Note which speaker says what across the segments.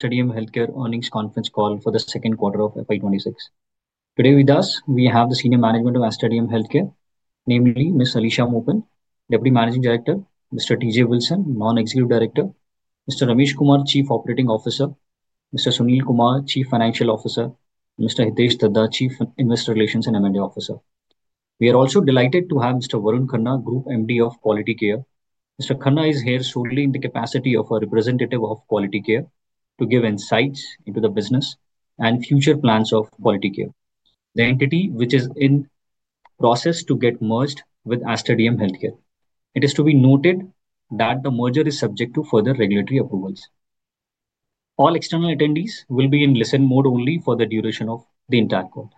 Speaker 1: Aster DM Healthcare earnings conference call for the second quarter of FY 2026. Today with us, we have the senior management of Aster DM Healthcare, namely Ms. Alisha Moopen, Deputy Managing Director, Mr. T. J. Wilson, Non-Executive Director, Mr. Ramesh Kumar, Chief Operating Officer, Mr. Sunil Kumar, Chief Financial Officer, Mr. Hitesh Dhaddha, Chief Investor Relations and M&A Officer. We are also delighted to have Mr. Varun Kannan, Group Managing Director of Quality Care. Mr. Kannan is here solely in the capacity of a representative of Quality Care to give insights into the business and future plans of Quality Care, the entity which is in process to get merged with Aster DM Healthcare. It is to be noted that the merger is subject to further regulatory approvals. All external attendees will be in listen mode only for the duration of the entire call.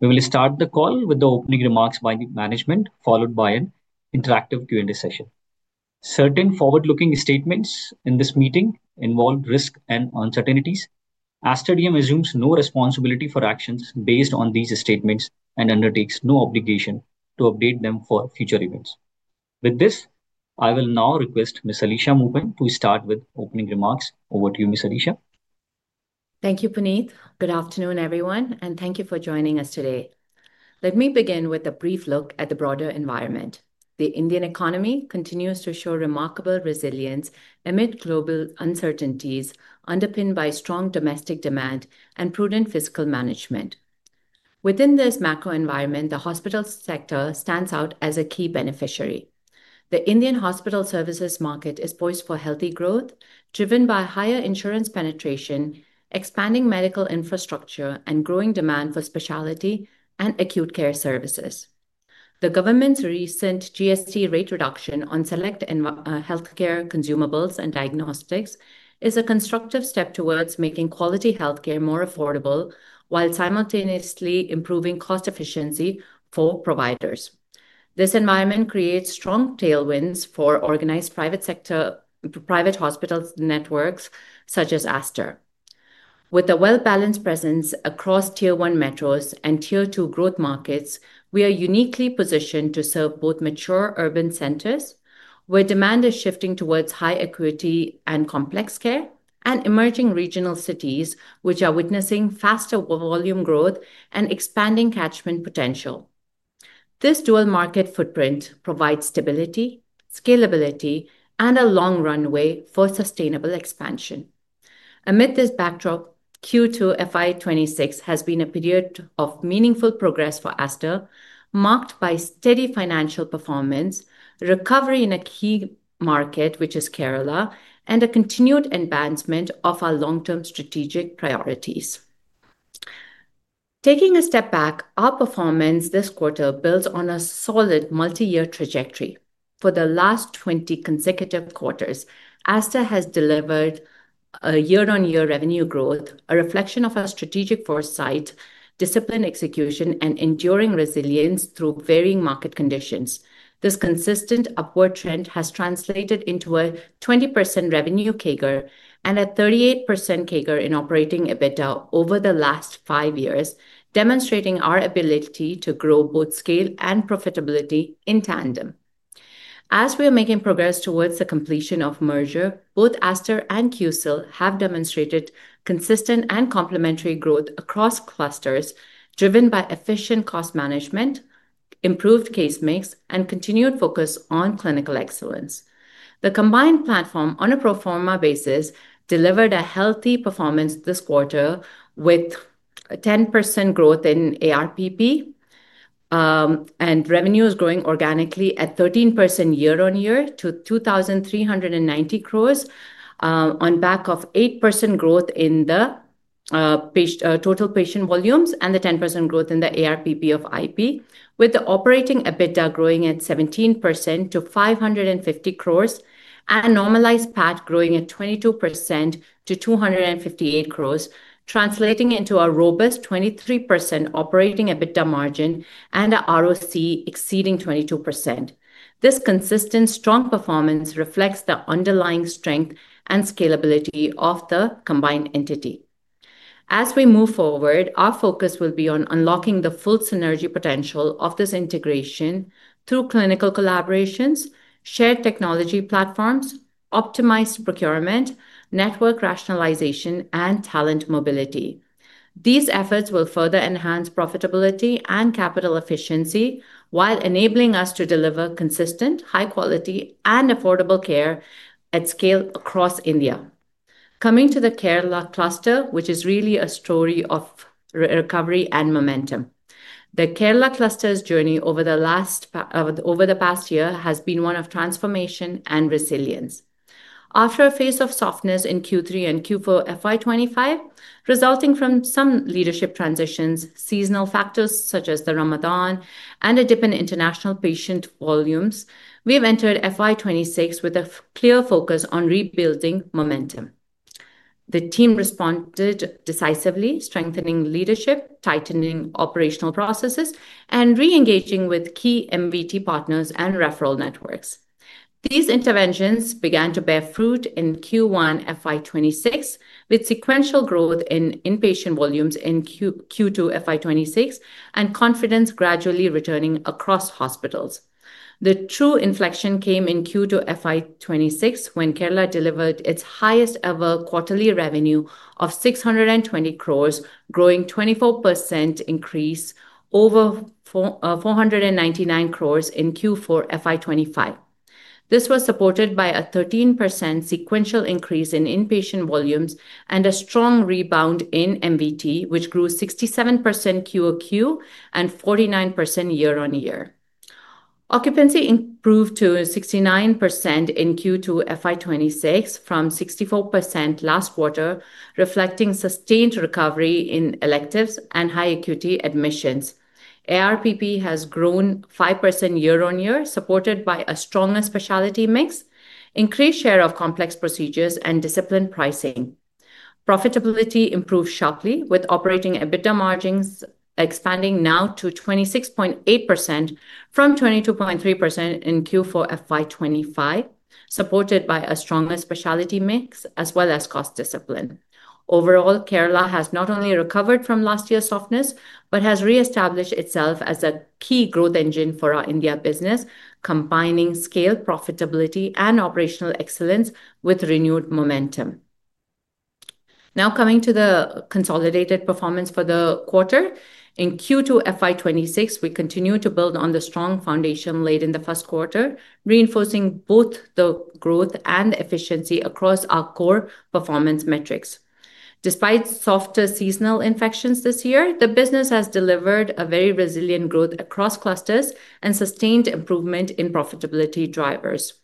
Speaker 1: We will start the call with the opening remarks by the management, followed by an interactive Q&A session. Certain forward-looking statements in this meeting involve risks and uncertainties. Aster DM Healthcare assumes no responsibility for actions based on these statements and undertakes no obligation to update them for future events. With this, I will now request Ms. Alisha Moopen to start with opening remarks. Over to you, Ms. Alisha.
Speaker 2: Thank you, Puneet. Good afternoon, everyone, and thank you for joining us today. Let me begin with a brief look at the broader environment. The Indian economy continues to show remarkable resilience amid global uncertainties, underpinned by strong domestic demand and prudent fiscal management. Within this macro environment, the hospital sector stands out as a key beneficiary. The Indian hospital services market is poised for healthy growth, driven by higher insurance penetration, expanding medical infrastructure, and growing demand for specialty and acute care services. The government's recent GST rate reduction on select healthcare consumables and diagnostics is a constructive step towards making quality healthcare more affordable while simultaneously improving cost efficiency for providers. This environment creates strong tailwinds for organized private sector hospital networks such as Aster. With a well-balanced presence across Tier 1 metros and Tier 2 growth markets, we are uniquely positioned to serve both mature urban centers where demand is shifting towards high equity and complex care, and emerging regional cities which are witnessing faster volume growth and expanding catchment potential. This dual market footprint provides stability, scalability, and a long runway for sustainable expansion. Amid this backdrop, Q2 FY 2026 has been a period of meaningful progress for Aster, marked by steady financial performance, recovery in a key market which is Kerala, and a continued advancement of our long-term strategic priorities. Taking a step back, our performance this quarter builds on a solid multi-year trajectory. For the last 20 consecutive quarters, Aster has delivered a year-on-year revenue growth, a reflection of our strategic foresight, discipline execution, and enduring resilience through varying market conditions. This consistent upward trend has translated into a 20% revenue CAGR and a 38% CAGR in operating EBITDA over the last five years, demonstrating our ability to grow both scale and profitability in tandem. As we are making progress towards the completion of merger, both Aster and QCL have demonstrated consistent and complementary growth across clusters, driven by efficient cost management, improved case mix, and continued focus on clinical excellence. The combined platform, on a pro forma basis, delivered a healthy performance this quarter with 10% growth in ARPP and revenues growing organically at 13% year-on-year to 2,390. On back of 8% growth in the total patient volumes and the 10% growth in the ARPP of IP, with the operating EBITDA growing at 17% to 550 and normalized PAT growing at 22% to 258, translating into a robust 23% operating EBITDA margin and an ROC exceeding 22%. This consistent strong performance reflects the underlying strength and scalability of the combined entity. As we move forward, our focus will be on unlocking the full synergy potential of this integration through clinical collaborations, shared technology platforms, optimized procurement, network rationalization, and talent mobility. These efforts will further enhance profitability and capital efficiency while enabling us to deliver consistent, high-quality, and affordable care at scale across India. Coming to the Kerala cluster, which is really a story of recovery and momentum. The Kerala cluster's journey over the past year has been one of transformation and resilience. After a phase of softness in Q3 and Q4 FY 2025, resulting from some leadership transitions, seasonal factors such as Ramadan, and a dip in international patient volumes, we have entered FY 2026 with a clear focus on rebuilding momentum. The team responded decisively, strengthening leadership, tightening operational processes, and re-engaging with key MVT partners and referral networks. These interventions began to bear fruit in Q1 FY 2026, with sequential growth in inpatient volumes in Q2 FY 2026 and confidence gradually returning across hospitals. The true inflection came in Q2 FY 2026 when Kerala delivered its highest-ever quarterly revenue of 620, growing a 24% increase over 499 in Q4 FY 2025. This was supported by a 13% sequential increase in inpatient volumes and a strong rebound in MVT, which grew 67% QoQ and 49% year-on-year. Occupancy improved to 69% in Q2 FY 2026 from 64% last quarter, reflecting sustained recovery in electives and high-acuity admissions. ARPP has grown 5% year-on-year, supported by a stronger specialty mix, increased share of complex procedures, and disciplined pricing. Profitability improved sharply, with operating EBITDA margins expanding now to 26.8% from 22.3% in Q4 FY 2025, supported by a stronger specialty mix as well as cost discipline. Overall, Kerala has not only recovered from last year's softness but has reestablished itself as a key growth engine for our India business, combining scale, profitability, and operational excellence with renewed momentum. Now, coming to the consolidated performance for the quarter, in Q2 FY 2026, we continue to build on the strong foundation laid in the first quarter, reinforcing both the growth and efficiency across our core performance metrics. Despite softer seasonal infections this year, the business has delivered a very resilient growth across clusters and sustained improvement in profitability drivers.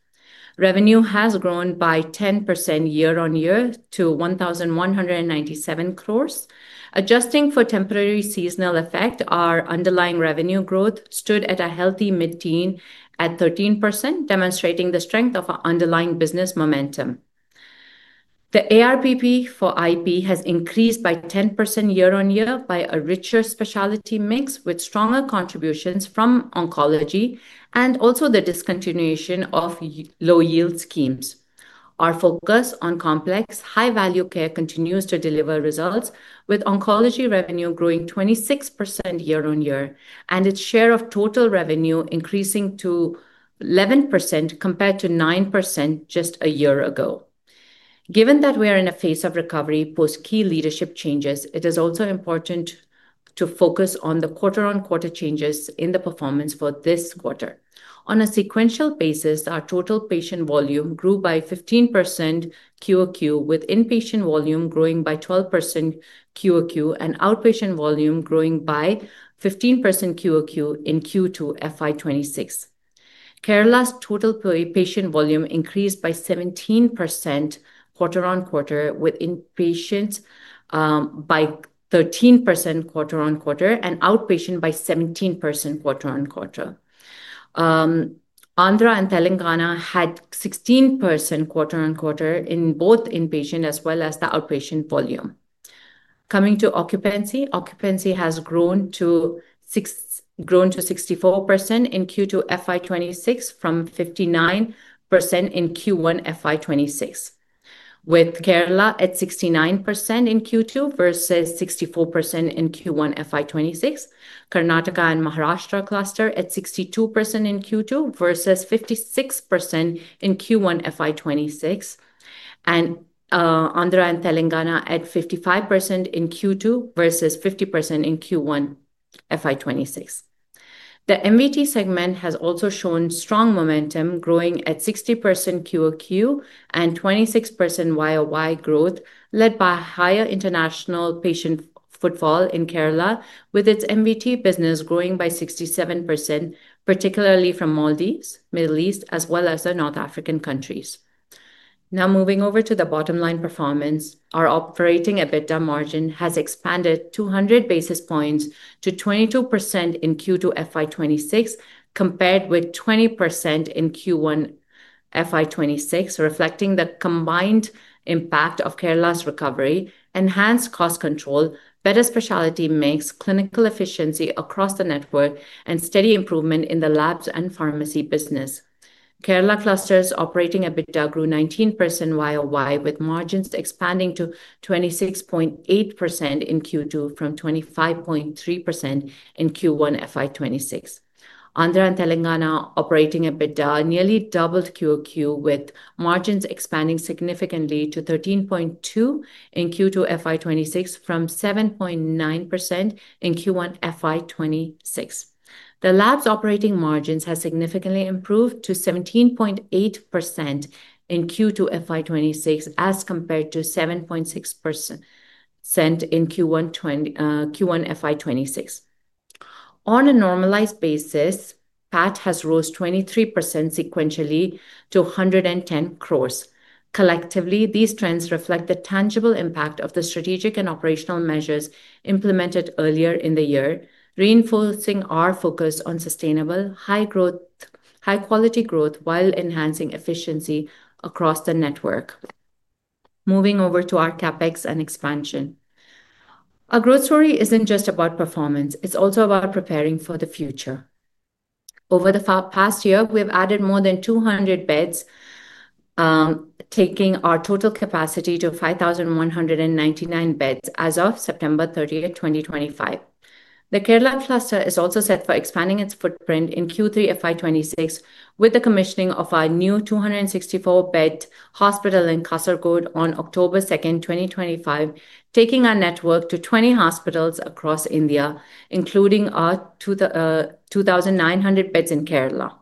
Speaker 2: Revenue has grown by 10% year-on-year to 1,197. Adjusting for temporary seasonal effect, our underlying revenue growth stood at a healthy mid-teen at 13%, demonstrating the strength of our underlying business momentum. The ARPP for IP has increased by 10% year-on-year by a richer specialty mix with stronger contributions from oncology and also the discontinuation of low-yield schemes. Our focus on complex, high-value care continues to deliver results, with oncology revenue growing 26% year-on-year and its share of total revenue increasing to 11% compared to 9% just a year ago. Given that we are in a phase of recovery post key leadership changes, it is also important to focus on the quarter-on-quarter changes in the performance for this quarter. On a sequential basis, our total patient volume grew by 15% QoQ, with inpatient volume growing by 12% QoQ and outpatient volume growing by 15% QoQ in Q2 FY 2026. Kerala's total patient volume increased by 17% quarter-on-quarter, with inpatients by 13% quarter-on-quarter and outpatient by 17% quarter-on-quarter. Andhra and Telangana had 16% quarter-on-quarter in both inpatient as well as the outpatient volume. Coming to occupancy, occupancy has grown to 64% in Q2 FY 2026 from 59% in Q1 FY 2026. With Kerala at 69% in Q2 versus 64% in Q1 FY 2026, Karnataka and Maharashtra cluster at 62% in Q2 versus 56% in Q1 FY 2026. Andhra and Telangana at 55% in Q2 versus 50% in Q1 FY 2026. The MVT segment has also shown strong momentum, growing at 60% QoQ and 26% YoY growth, led by higher international patient footfall in Kerala, with its MVT business growing by 67%, particularly from Maldives, the Middle East, as well as the North African countries. Now, moving over to the bottom-line performance, our operating EBITDA margin has expanded 200 basis points to 22% in Q2 FY 2026, compared with 20% in Q1 FY 2026, reflecting the combined impact of Kerala's recovery, enhanced cost control, better specialty mix, clinical efficiency across the network, and steady improvement in the labs and pharmacy business. Kerala cluster's operating EBITDA grew 19% YoY, with margins expanding to 26.8% in Q2 from 25.3% in Q1 FY 2026. Andhra and Telangana operating EBITDA nearly doubled QoQ, with margins expanding significantly to 13.2% in Q2 FY 2026 from 7.9% in Q1 FY 2026. The labs' operating margins have significantly improved to 17.8% in Q2 FY 2026 as compared to 7.6% in Q1 FY 2026. On a normalized basis, PAT has rose 23% sequentially to 110. Collectively, these trends reflect the tangible impact of the strategic and operational measures implemented earlier in the year, reinforcing our focus on sustainable, high-quality growth while enhancing efficiency across the network. Moving over to our CapEx and expansion. Our growth story isn't just about performance. It's also about preparing for the future. Over the past year, we have added more than 200 beds, taking our total capacity to 5,199 beds as of September 30, 2025. The Kerala cluster is also set for expanding its footprint in Q3 FY 2026 with the commissioning of our new 264-bed hospital in Kasaragod on October 2, 2025, taking our network to 20 hospitals across India, including our 2,900 beds in Kerala.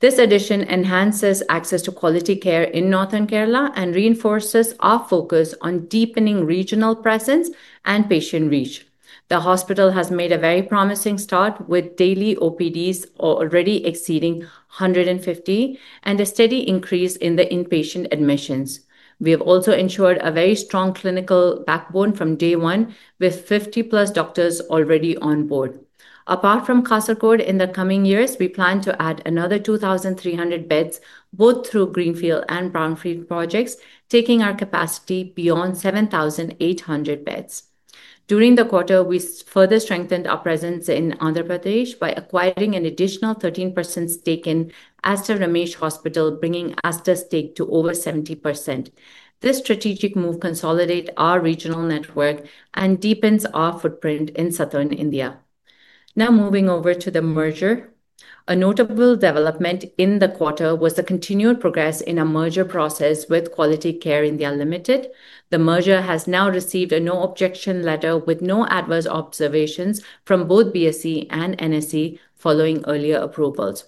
Speaker 2: This addition enhances access to quality care in northern Kerala and reinforces our focus on deepening regional presence and patient reach. The hospital has made a very promising start with daily OPDs already exceeding 150 and a steady increase in the inpatient admissions. We have also ensured a very strong clinical backbone from day one, with 50+ doctors already on board. Apart from Kasaragod, in the coming years, we plan to add another 2,300 beds, both through Greenfield and Brownfield projects, taking our capacity beyond 7,800 beds. During the quarter, we further strengthened our presence in Andhra Pradesh by acquiring an additional 13% stake in Aster Ramesh Hospitals, bringing Aster's stake to over 70%. This strategic move consolidates our regional network and deepens our footprint in southern India. Now, moving over to the merger. A notable development in the quarter was the continued progress in a merger process with Quality Care India Limited. The merger has now received a no-objection letter with no adverse observations from both BSE and NSE following earlier approvals.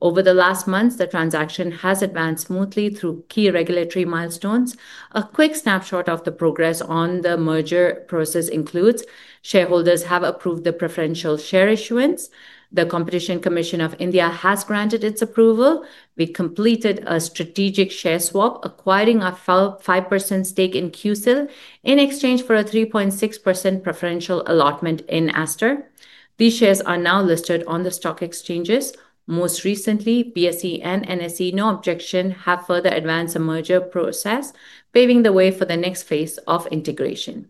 Speaker 2: Over the last months, the transaction has advanced smoothly through key regulatory milestones. A quick snapshot of the progress on the merger process includes: shareholders have approved the preferential share issuance, the Competition Commission of India has granted its approval, we completed a strategic share swap, acquiring a 5% stake in QCL in exchange for a 3.6% preferential allotment in Aster. These shares are now listed on the stock exchanges. Most recently, BSE and NSE, no objection, have further advanced the merger process, paving the way for the next phase of integration.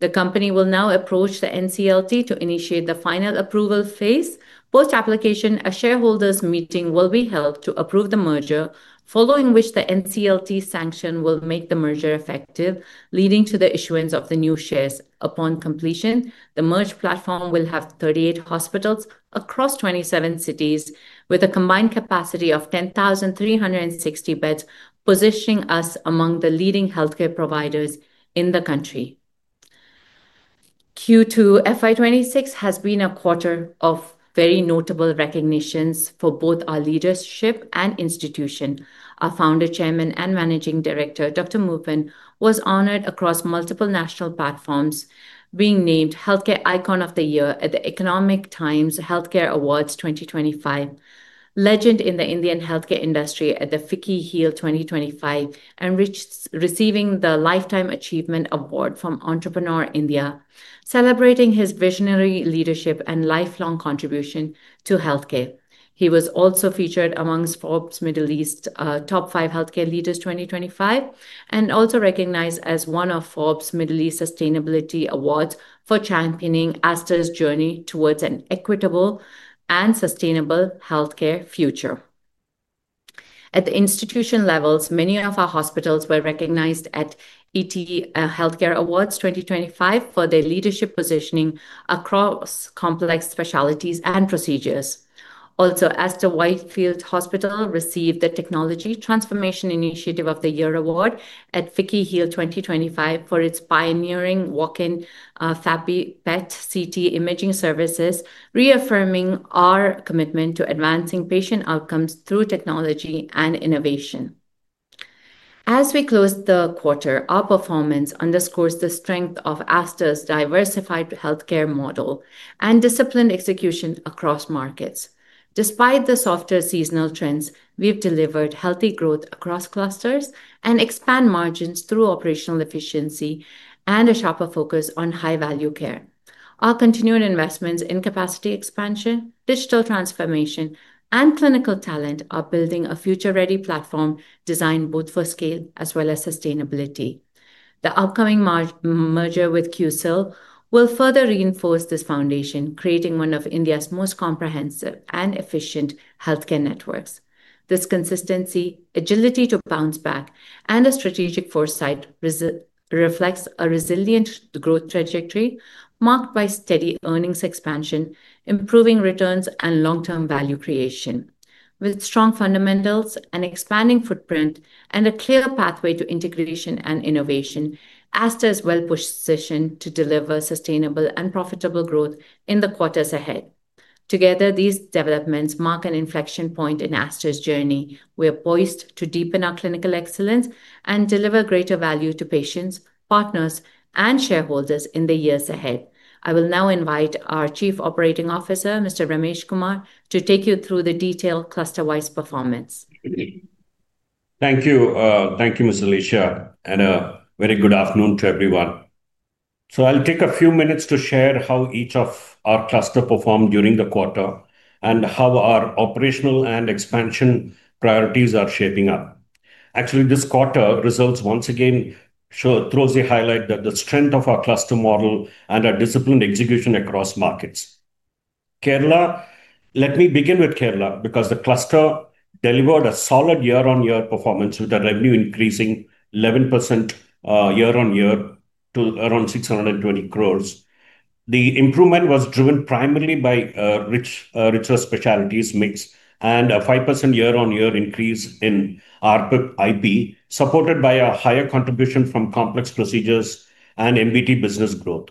Speaker 2: The company will now approach the NCLT to initiate the final approval phase. Post-application, a shareholders' meeting will be held to approve the merger, following which the NCLT sanction will make the merger effective, leading to the issuance of the new shares. Upon completion, the merged platform will have 38 hospitals across 27 cities, with a combined capacity of 10,360 beds, positioning us among the leading healthcare providers in the country. Q2 FY 2026 has been a quarter of very notable recognitions for both our leadership and institution. Our Founder, Chairman, and Managing Director, Dr. Azad Moopen, was honored across multiple national platforms, being named Healthcare Icon of the Year at the Economic Times Healthcare Awards 2025, legend in the Indian healthcare industry at the FICCI HEAL 2025, and receiving the Lifetime Achievement Award from Entrepreneur India, celebrating his visionary leadership and lifelong contribution to healthcare. He was also featured amongst Forbes Middle East Top 5 Healthcare Leaders 2025 and also recognized as one of Forbes Middle East Sustainability Awards for championing Aster's journey towards an equitable and sustainable healthcare future. At the institution levels, many of our hospitals were recognized at ET Healthcare Awards 2025 for their leadership positioning across complex specialties and procedures. Also, Aster Whitefield Hospital received the Technology Transformation Initiative of the Year Award at FICCI HEAL 2025 for its pioneering walk-in FAPI PET CT imaging services, reaffirming our commitment to advancing patient outcomes through technology and innovation. As we close the quarter, our performance underscores the strength of Aster's diversified healthcare model and disciplined execution across markets. Despite the softer seasonal trends, we've delivered healthy growth across clusters and expanded margins through operational efficiency and a sharper focus on high-value care. Our continued investments in capacity expansion, digital transformation, and clinical talent are building a future-ready platform designed both for scale as well as sustainability. The upcoming merger with QCL will further reinforce this foundation, creating one of India's most comprehensive and efficient healthcare networks. This consistency, agility to bounce back, and a strategic foresight reflects a resilient growth trajectory marked by steady earnings expansion, improving returns, and long-term value creation. With strong fundamentals, an expanding footprint, and a clear pathway to integration and innovation, Aster is well-positioned to deliver sustainable and profitable growth in the quarters ahead. Together, these developments mark an inflection point in Aster's journey. We are poised to deepen our clinical excellence and deliver greater value to patients, partners, and shareholders in the years ahead. I will now invite our Chief Operating Officer, Mr. Ramesh Kumar, to take you through the detailed cluster-wise performance.
Speaker 3: Thank you, Ms. Alisha, and a very good afternoon to everyone. I'll take a few minutes to share how each of our clusters performed during the quarter and how our operational and expansion priorities are shaping up. Actually, this quarter results once again throw a highlight that the strength of our cluster model and our disciplined execution across markets. Kerala, let me begin with Kerala because the cluster delivered a solid year-on-year performance with revenue increasing 11% year-on-year to around 620. The improvement was driven primarily by a richer specialties mix and a 5% year-on-year increase in ARPP IP, supported by a higher contribution from complex procedures and MVT business growth.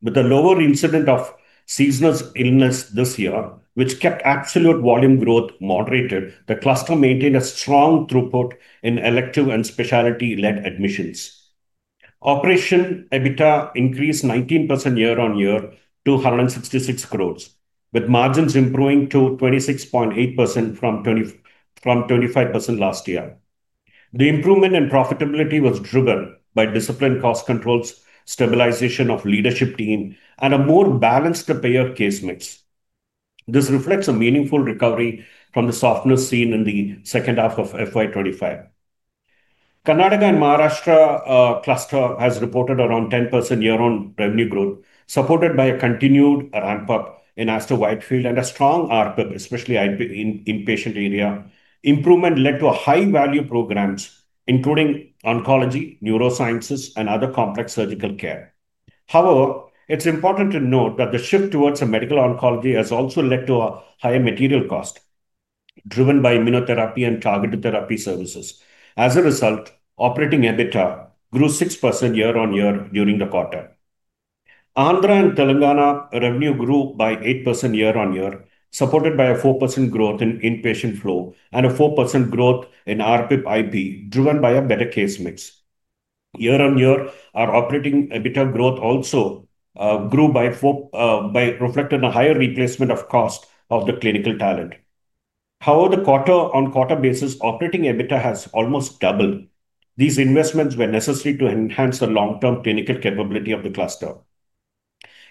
Speaker 3: With a lower incidence of seasonal illness this year, which kept absolute volume growth moderated, the cluster maintained a strong throughput in elective and specialty-led admissions. Operating EBITDA increased 19% year-on-year to 166 crores, with margins improving to 26.8% from 25% last year. The improvement in profitability was driven by disciplined cost controls, stabilization of the leadership team, and a more balanced payer case mix. This reflects a meaningful recovery from the softness seen in the second half of FY 2025. Karnataka and Maharashtra cluster has reported around 10% year-on-year revenue growth, supported by a continued ramp-up in Aster Whitefield and a strong ARPP, especially in the inpatient area. Improvement led to high-value programs, including oncology, neurosciences, and other complex surgical care. However, it's important to note that the shift towards medical oncology has also led to a higher material cost, driven by immunotherapy and targeted therapy services. As a result, operating EBITDA grew 6% year-on-year during the quarter. Andhra and Telangana revenue grew by 8% year-on-year, supported by a 4% growth in inpatient flow and a 4% growth in ARPP IP, driven by a better case mix. Year-on-year, our operating EBITDA growth also grew, reflecting a higher replacement of cost of the clinical talent. However, on a quarter-on-quarter basis, operating EBITDA has almost doubled. These investments were necessary to enhance the long-term clinical capability of the cluster.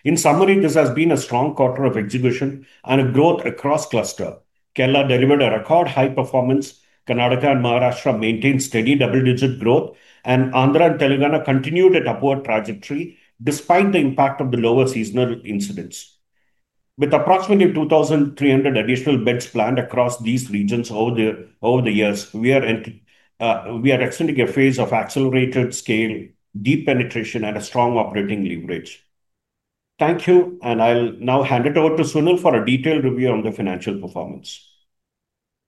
Speaker 3: In summary, this has been a strong quarter of execution and growth across clusters. Kerala delivered a record high performance. Karnataka and Maharashtra maintained steady double-digit growth, and Andhra and Telangana continued an upward trajectory despite the impact of the lower seasonal incidents. With approximately 2,300 additional beds planned across these regions over the years, we are extending a phase of accelerated scale, deep penetration, and a strong operating leverage. Thank you, and I'll now hand it over to Sunil for a detailed review on the financial performance.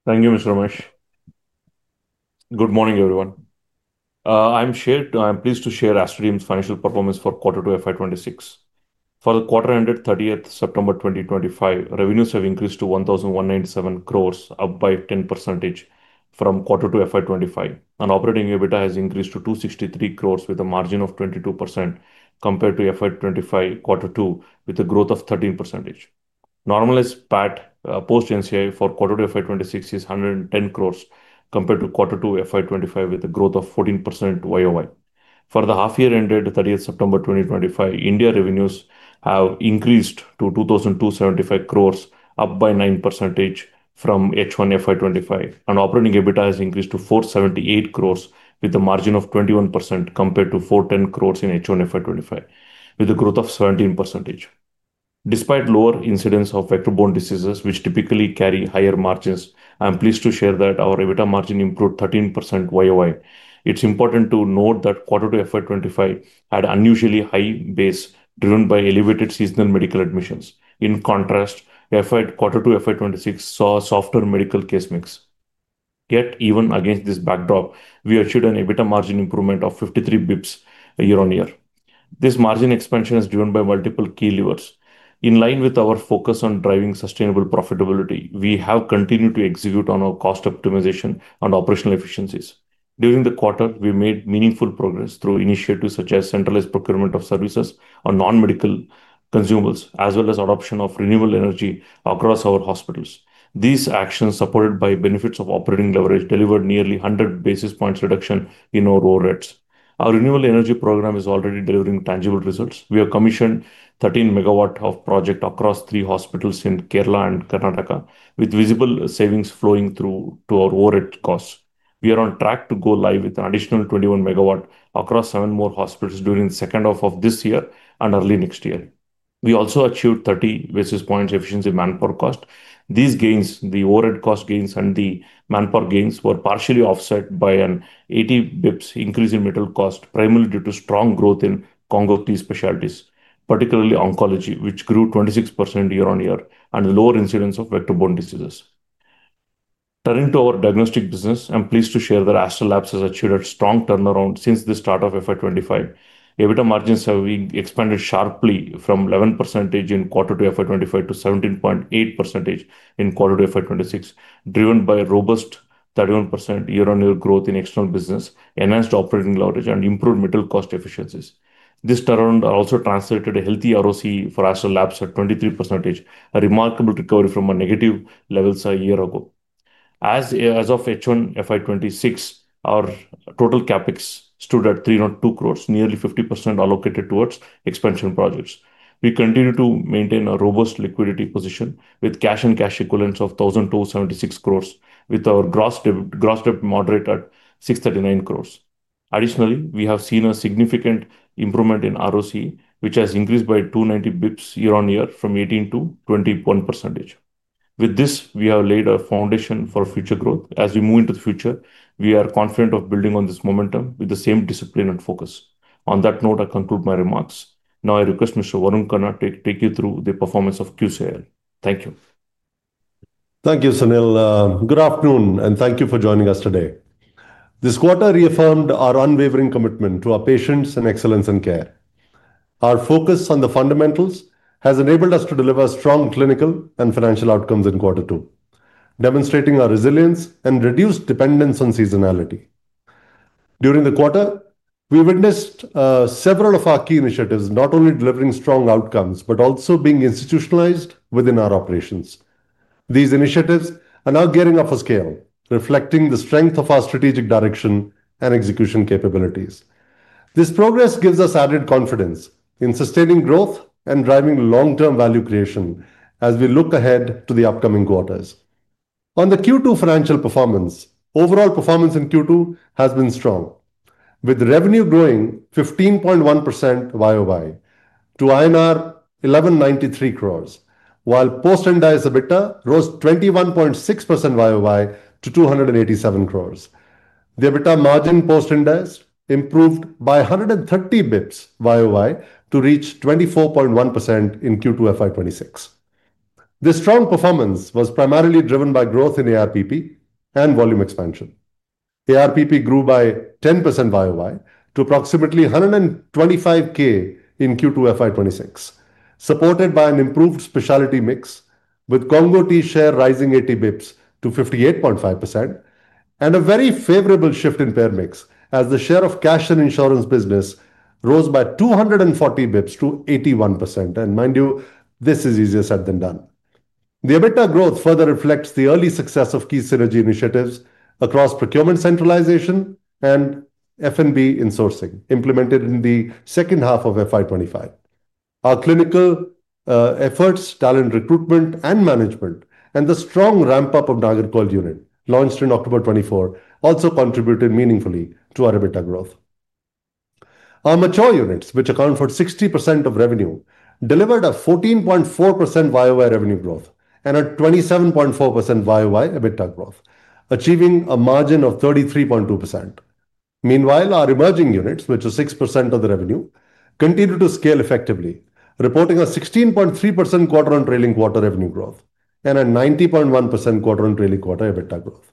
Speaker 4: Thank you, Mr. Ramesh. Good morning, everyone. I'm pleased to share Aster DM's financial performance for quarter 2 FY 2026. For the quarter ended 30 September 2025, revenues have increased to 1,197, up by 10% from quarter 2 FY 2025. Operating EBITDA has increased to 263 with a margin of 22% compared to FY 2025 quarter 2, with a growth of 13%. Normalized PAT post-NCI for quarter 2 FY 2026 is 110 compared to quarter 2 FY 2025, with a growth of 14% YoY. For the half-year ended 30 September 2025, India revenues have increased to 2,275, up by 9% from H1 FY 2025. Operating EBITDA has increased to 478, with a margin of 21% compared to 410 in H1 FY 2025, with a growth of 17%. Despite lower incidence of vector-borne diseases, which typically carry higher margins, I'm pleased to share that our EBITDA margin improved 13% year-on-year. It's important to note that quarter two FY 2025 had unusually high base, driven by elevated seasonal medical admissions. In contrast, quarter two FY 2026 saw a softer medical case mix. Yet, even against this backdrop, we achieved an EBITDA margin improvement of 53 basis points year-on-year. This margin expansion is driven by multiple key levers. In line with our focus on driving sustainable profitability, we have continued to execute on our cost optimization and operational efficiencies. During the quarter, we made meaningful progress through initiatives such as centralized procurement of services on non-medical consumables, as well as adoption of renewable energy across our hospitals. These actions, supported by benefits of operating leverage, delivered nearly 100 basis points reduction in our OREDs. Our renewable energy program is already delivering tangible results. We have commissioned 13 MW of project across three hospitals in Kerala and Karnataka, with visible savings flowing through to our OpEx costs. We are on track to go live with an additional 21 MW across seven more hospitals during the second half of this year and early next year. We also achieved 30 basis points efficiency manpower cost. These gains, the OpEx cost gains and the manpower gains, were partially offset by an 80 basis points increase in medical cost, primarily due to strong growth in core specialties, particularly oncology, which grew 26% year-on-year and lower incidence of vector-borne diseases. Turning to our diagnostic business, I'm pleased to share that Aster Labs has achieved a strong turnaround since the start of FY 2025. EBITDA margins have expanded sharply from 11% in quarter 2 FY 2025 to 17.8% in quarter 2 FY 2026, driven by robust 31% year-on-year growth in external business, enhanced operating leverage, and improved metal cost efficiencies. This turnaround also translated a healthy ROC for Aster Labs at 23%, a remarkable recovery from negative levels a year ago. As of H1 FY 2026, our total CapEx stood at 302, nearly 50% allocated towards expansion projects. We continue to maintain a robust liquidity position with cash and cash equivalents of 1,276, with our gross debt moderated at 639. Additionally, we have seen a significant improvement in ROC, which has increased by 290 basis points year-on-year from 18%-21%. With this, we have laid a foundation for future growth. As we move into the future, we are confident of building on this momentum with the same discipline and focus. On that note, I conclude my remarks. Now, I request Mr. Varun Kannan to take you through the performance of Quality Care India Limited. Thank you.
Speaker 5: Thank you, Sunil. Good afternoon, and thank you for joining us today. This quarter reaffirmed our unwavering commitment to our patients and excellence in care. Our focus on the fundamentals has enabled us to deliver strong clinical and financial outcomes in quarter 2, demonstrating our resilience and reduced dependence on seasonality. During the quarter, we witnessed several of our key initiatives not only delivering strong outcomes but also being institutionalized within our operations. These initiatives are now gearing up for scale, reflecting the strength of our strategic direction and execution capabilities. This progress gives us added confidence in sustaining growth and driving long-term value creation as we look ahead to the upcoming quarters. On the Q2 financial performance, overall performance in Q2 has been strong, with revenue growing 15.1% YoY to INR 1,193, while post-index EBITDA rose 21.6% YoY to 287. The EBITDA margin post-index improved by 130 basis points YoY to reach 24.1% in Q2 FY 2026. The strong performance was primarily driven by growth in ARPP and volume expansion. ARPP grew by 10% YoY to approximately 125,000 in Q2 FY 2026, supported by an improved specialty mix, with CT share rising 80 basis points to 58.5%, and a very favorable shift in payer mix as the share of cash and insurance business rose by 240 bps to 81%. Mind you, this is easier said than done. The EBITDA growth further reflects the early success of key synergy initiatives across procurement centralization and F&B in sourcing implemented in the second half of FY 2025. Our clinical. Efforts, talent recruitment, and management, and the strong ramp-up of Nagarkoil Unit, launched in October 2024, also contributed meaningfully to our EBITDA growth. Our mature units, which account for 60% of revenue, delivered a 14.4% YoY revenue growth and a 27.4% YoY EBITDA growth, achieving a margin of 33.2%. Meanwhile, our emerging units, which are 6% of the revenue, continued to scale effectively, reporting a 16.3% quarter-on-trailing quarter revenue growth and a 90.1% quarter-on-trailing quarter EBITDA growth.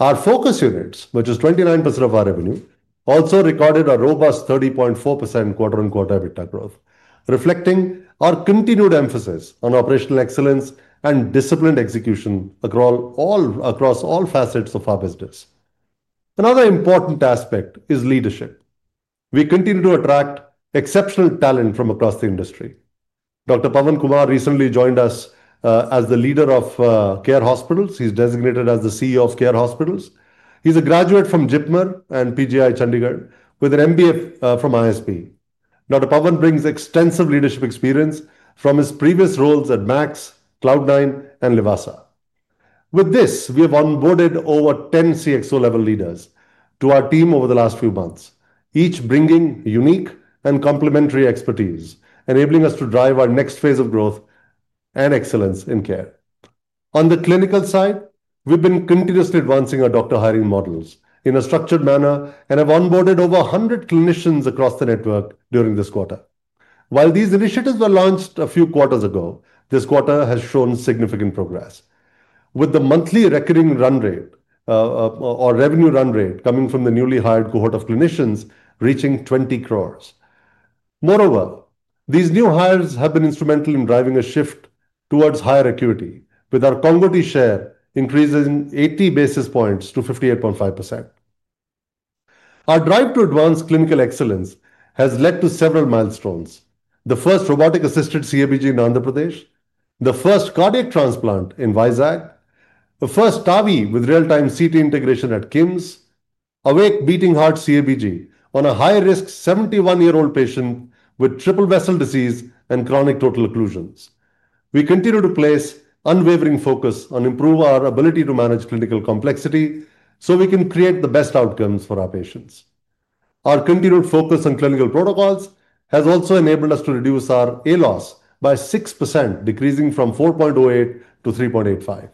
Speaker 5: Our focus units, which are 29% of our revenue, also recorded a robust 30.4% quarter-on-quarter EBITDA growth, reflecting our continued emphasis on operational excellence and disciplined execution across all facets of our business. Another important aspect is leadership. We continue to attract exceptional talent from across the industry. Dr. Pawan Kumar recently joined us as the leader of CARE Hospitals. He's designated as the CEO of CARE Hospitals. He's a graduate from JIPMER and PGI Chandigarh, with an MBA from ISB. Dr. Pawan brings extensive leadership experience from his previous roles at Max, Cloudnine, and Livasa. With this, we have onboarded over 10 CXO-level leaders to our team over the last few months, each bringing unique and complementary expertise, enabling us to drive our next phase of growth and excellence in care. On the clinical side, we've been continuously advancing our doctor hiring models in a structured manner and have onboarded over 100 clinicians across the network during this quarter. While these initiatives were launched a few quarters ago, this quarter has shown significant progress, with the monthly recurring run rate or revenue run rate coming from the newly hired cohort of clinicians reaching 20. Moreover, these new hires have been instrumental in driving a shift towards higher acuity, with our case mix share increasing 80 basis points to 58.5%. Our drive to advance clinical excellence has led to several milestones. The first robotic-assisted CABG in Andhra Pradesh, the first cardiac transplant in Vizag, the first TAVI with real-time CT integration at KIMS, awake beating heart CABG on a high-risk 71-year-old patient with triple vessel disease and chronic total occlusions. We continue to place unwavering focus on improving our ability to manage clinical complexity so we can create the best outcomes for our patients. Our continued focus on clinical protocols has also enabled us to reduce our ALOS by 6%, decreasing from 4.08 to 3.85.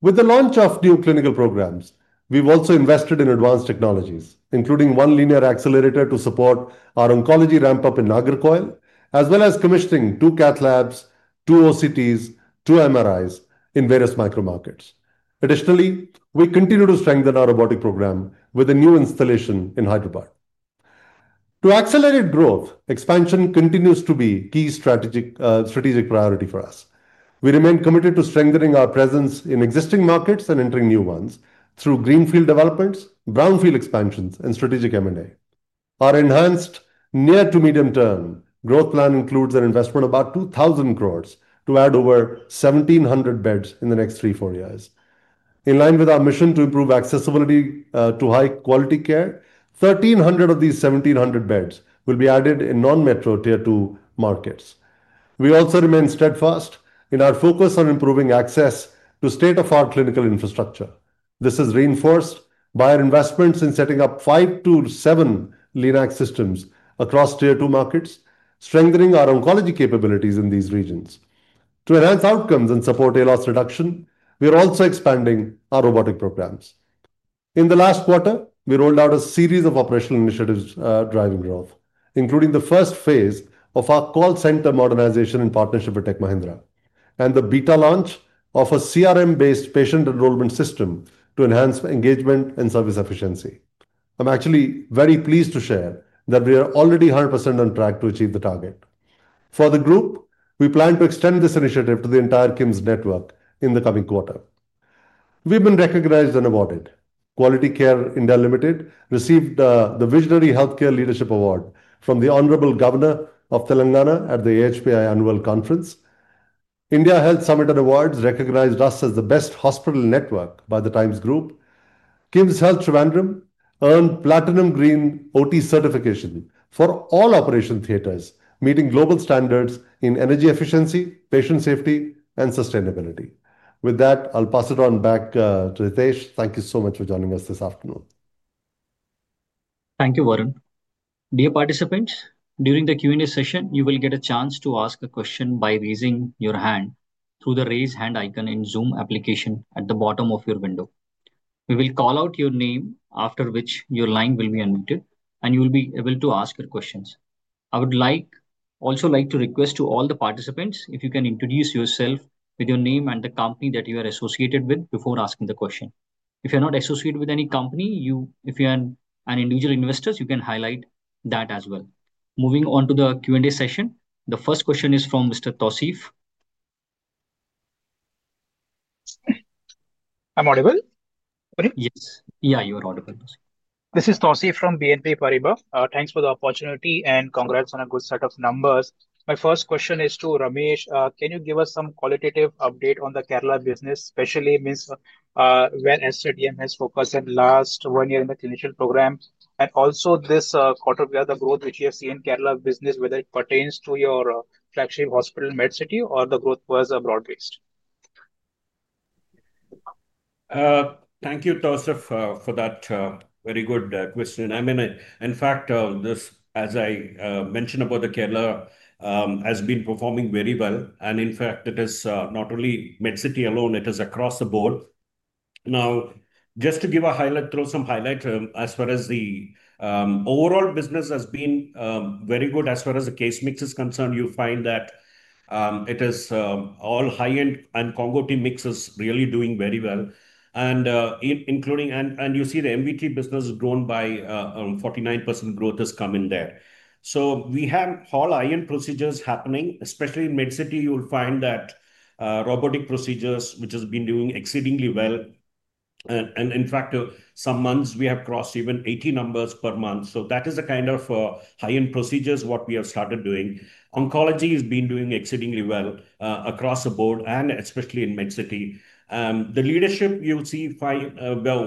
Speaker 5: With the launch of new clinical programs, we've also invested in advanced technologies, including one linear accelerator to support our oncology ramp-up in Nagarkoil, as well as commissioning two cath labs, two OCTs, and two MRIs in various micro markets. Additionally, we continue to strengthen our robotic program with a new installation in Hyderabad. To accelerate growth, expansion continues to be a key strategic priority for us. We remain committed to strengthening our presence in existing markets and entering new ones through greenfield developments, brownfield expansions, and strategic M&A. Our enhanced near-to-medium-term growth plan includes an investment of about 2,000 to add over 1,700 beds in the next three to four years. In line with our mission to improve accessibility to high-quality care, 1,300 of these 1,700 beds will be added in non-metro tier 2 markets. We also remain steadfast in our focus on improving access to state-of-the-art clinical infrastructure. This is reinforced by our investments in setting up five to seven LeanAx systems across Tier 2 markets, strengthening our oncology capabilities in these regions. To enhance outcomes and support ALOS reduction, we are also expanding our robotic programs. In the last quarter, we rolled out a series of operational initiatives driving growth, including the first phase of our call center modernization in partnership with Tech Mahindra and the beta launch of a CRM-based patient enrollment system to enhance engagement and service efficiency. I'm actually very pleased to share that we are already 100% on track to achieve the target. For the group, we plan to extend this initiative to the entire KIMS network in the coming quarter. We've been recognized and awarded. Quality Care India Limited received the Visionary Healthcare Leadership Award from the Honorable Governor of Telangana at the AHPI Annual Conference. India Health Summit and Awards recognized us as the best hospital network by the Times Group. KIMSHEALTH Trivandrum earned Platinum Green OT certification for all operation theaters, meeting global standards in energy efficiency, patient safety, and sustainability. With that, I'll pass it on back to Hitesh. Thank you so much for joining us this afternoon.
Speaker 1: Thank you, Varun. Dear participants, during the Q&A session, you will get a chance to ask a question by raising your hand through the raise hand icon in Zoom application at the bottom of your window. We will call out your name, after which your line will be unmuted, and you will be able to ask your questions. I would also like to request all the participants if you can introduce yourself with your name and the company that you are associated with before asking the question. If you're not associated with any company, if you're an individual investor, you can highlight that as well. Moving on to the Q&A session, the first question is from Mr. Tawseef.
Speaker 6: I'm audible?
Speaker 1: Yes. Yeah, you are audible.
Speaker 6: This is Tawseef from BNP Paribas. Thanks for the opportunity and congrats on a good set of numbers. My first question is to Ramesh. Can you give us some qualitative update on the Kerala business, especially when Aster DM has focused on the last one year in the clinician program? Also, this quarter, we have the growth which you have seen in Kerala business, whether it pertains to your flagship hospital, Aster Medcity, or the growth was broad-based?
Speaker 3: Thank you, Tawseef, for that very good question. I mean, in fact, as I mentioned about Kerala. Has been performing very well. In fact, it is not only Medcity alone, it is across the board. Now, just to give a throw some highlight as far as the overall business has been very good as far as the case mix is concerned. You find that it is all high-end and Congo T mix is really doing very well. You see the MVT business has grown by 49% growth has come in there. We have all high-end procedures happening, especially in Medcity. You will find that robotic procedures, which has been doing exceedingly well. In fact, some months, we have crossed even 80 numbers per month. That is a kind of high-end procedures what we have started doing. Oncology has been doing exceedingly well across the board and especially in Aster Medcity. The leadership you'll see. Whomever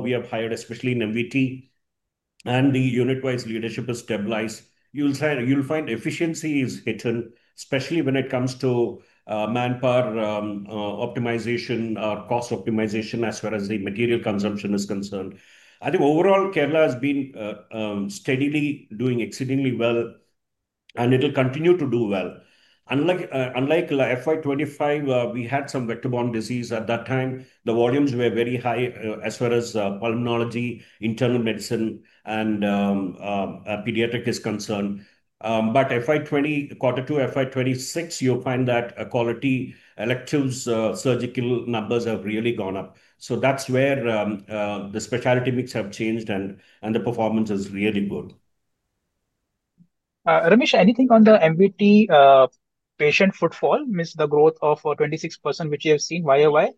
Speaker 3: we have hired, especially in MVT. And the unit-wise leadership is stabilized. You'll find efficiency is hidden, especially when it comes to manpower optimization or cost optimization as far as the material consumption is concerned. I think overall, Kerala has been steadily doing exceedingly well. It'll continue to do well. Unlike FY 2025, we had some vector-borne disease at that time. The volumes were very high as far as pulmonology, internal medicine, and pediatric is concerned. Quarter 2, FY 2026, you'll find that quality electives' surgical numbers have really gone up. That's where the specialty mix has changed and the performance is really good.
Speaker 6: Ramesh, anything on the MVT patient footfall, Ms., the growth of 26% which you have seen YoY?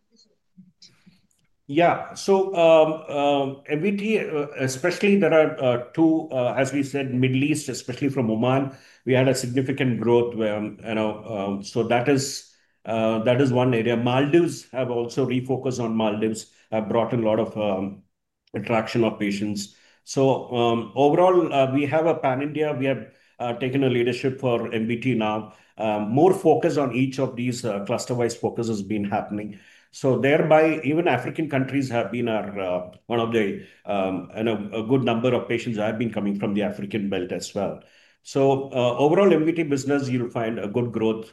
Speaker 3: Yeah. MVT, especially there are two, as we said, Middle East, especially from Oman, we had a significant growth. That is one area. Maldives have also refocused on Maldives, have brought a lot of attraction of patients. Overall, we have a pan-India, we have taken a leadership for MVT now. More focus on each of these cluster-wise focuses has been happening. Thereby, even African countries have been one of the, a good number of patients have been coming from the African belt as well. Overall, MVT business, you'll find a good growth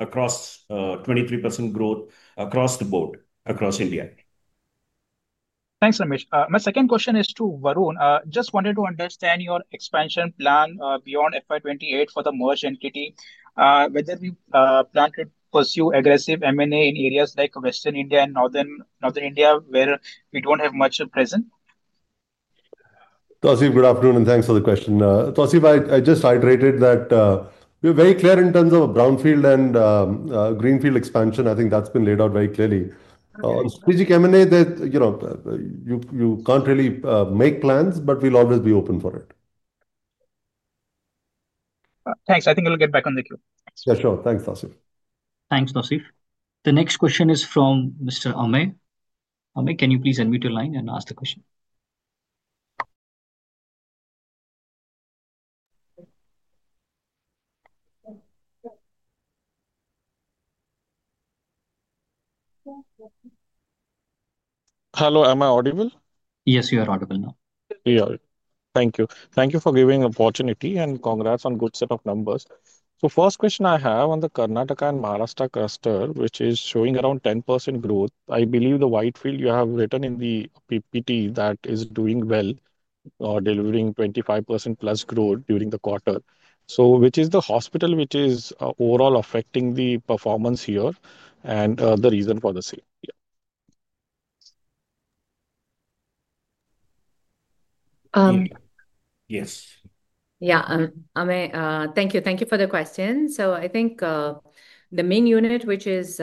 Speaker 3: across 23% growth across the board across India.
Speaker 6: Thanks, Ramesh. My second question is to Varun. Just wanted to understand your expansion plan beyond FY 2028 for the merged entity, whether we plan to pursue aggressive M&A in areas like Western India and Northern India, where we do not have much present.
Speaker 5: Tawseef, good afternoon and thanks for the question. Tawseef, I just highlighted that we're very clear in terms of brownfield and greenfield expansion. I think that's been laid out very clearly. Strategic M&A, that you can't really make plans, but we'll always be open for it.
Speaker 6: Thanks. I think I'll get back on the queue.
Speaker 5: Yeah, sure. Thanks, Tawseef.
Speaker 1: Thanks, Tawseef. The next question is from Mr. Ameh. Ameh, can you please unmute your line and ask the question?
Speaker 7: Hello, am I audible?
Speaker 1: Yes, you are audible now.
Speaker 7: Thank you. Thank you for giving the opportunity and congrats on a good set of numbers. First question I have on the Karnataka and Maharashtra cluster, which is showing around 10% growth. I believe the Whitefield you have written in the PPT that is doing well or delivering 25% plus growth during the quarter. Which is the hospital which is overall affecting the performance here and the reason for the sale?
Speaker 2: Yeah. Ameh, thank you. Thank you for the question. I think the main unit which is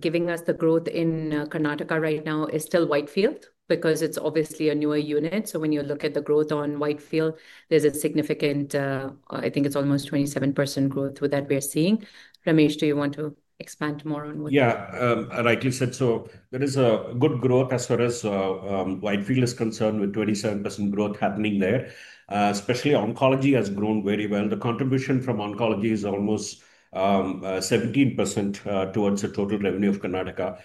Speaker 2: giving us the growth in Karnataka right now is still Whitefield because it is obviously a newer unit. When you look at the growth on Whitefield, there is a significant, I think it is almost 27% growth that we are seeing. Ramesh, do you want to expand more on what?
Speaker 3: Yeah. Like you said, there is good growth as far as Whitefield is concerned with 27% growth happening there. Especially oncology has grown very well. The contribution from oncology is almost 17% towards the total revenue of Karnataka.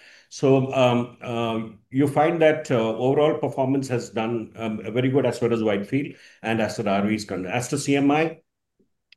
Speaker 3: You find that overall performance has done very good as far as Whitefield and as far as RVs, as to CMI.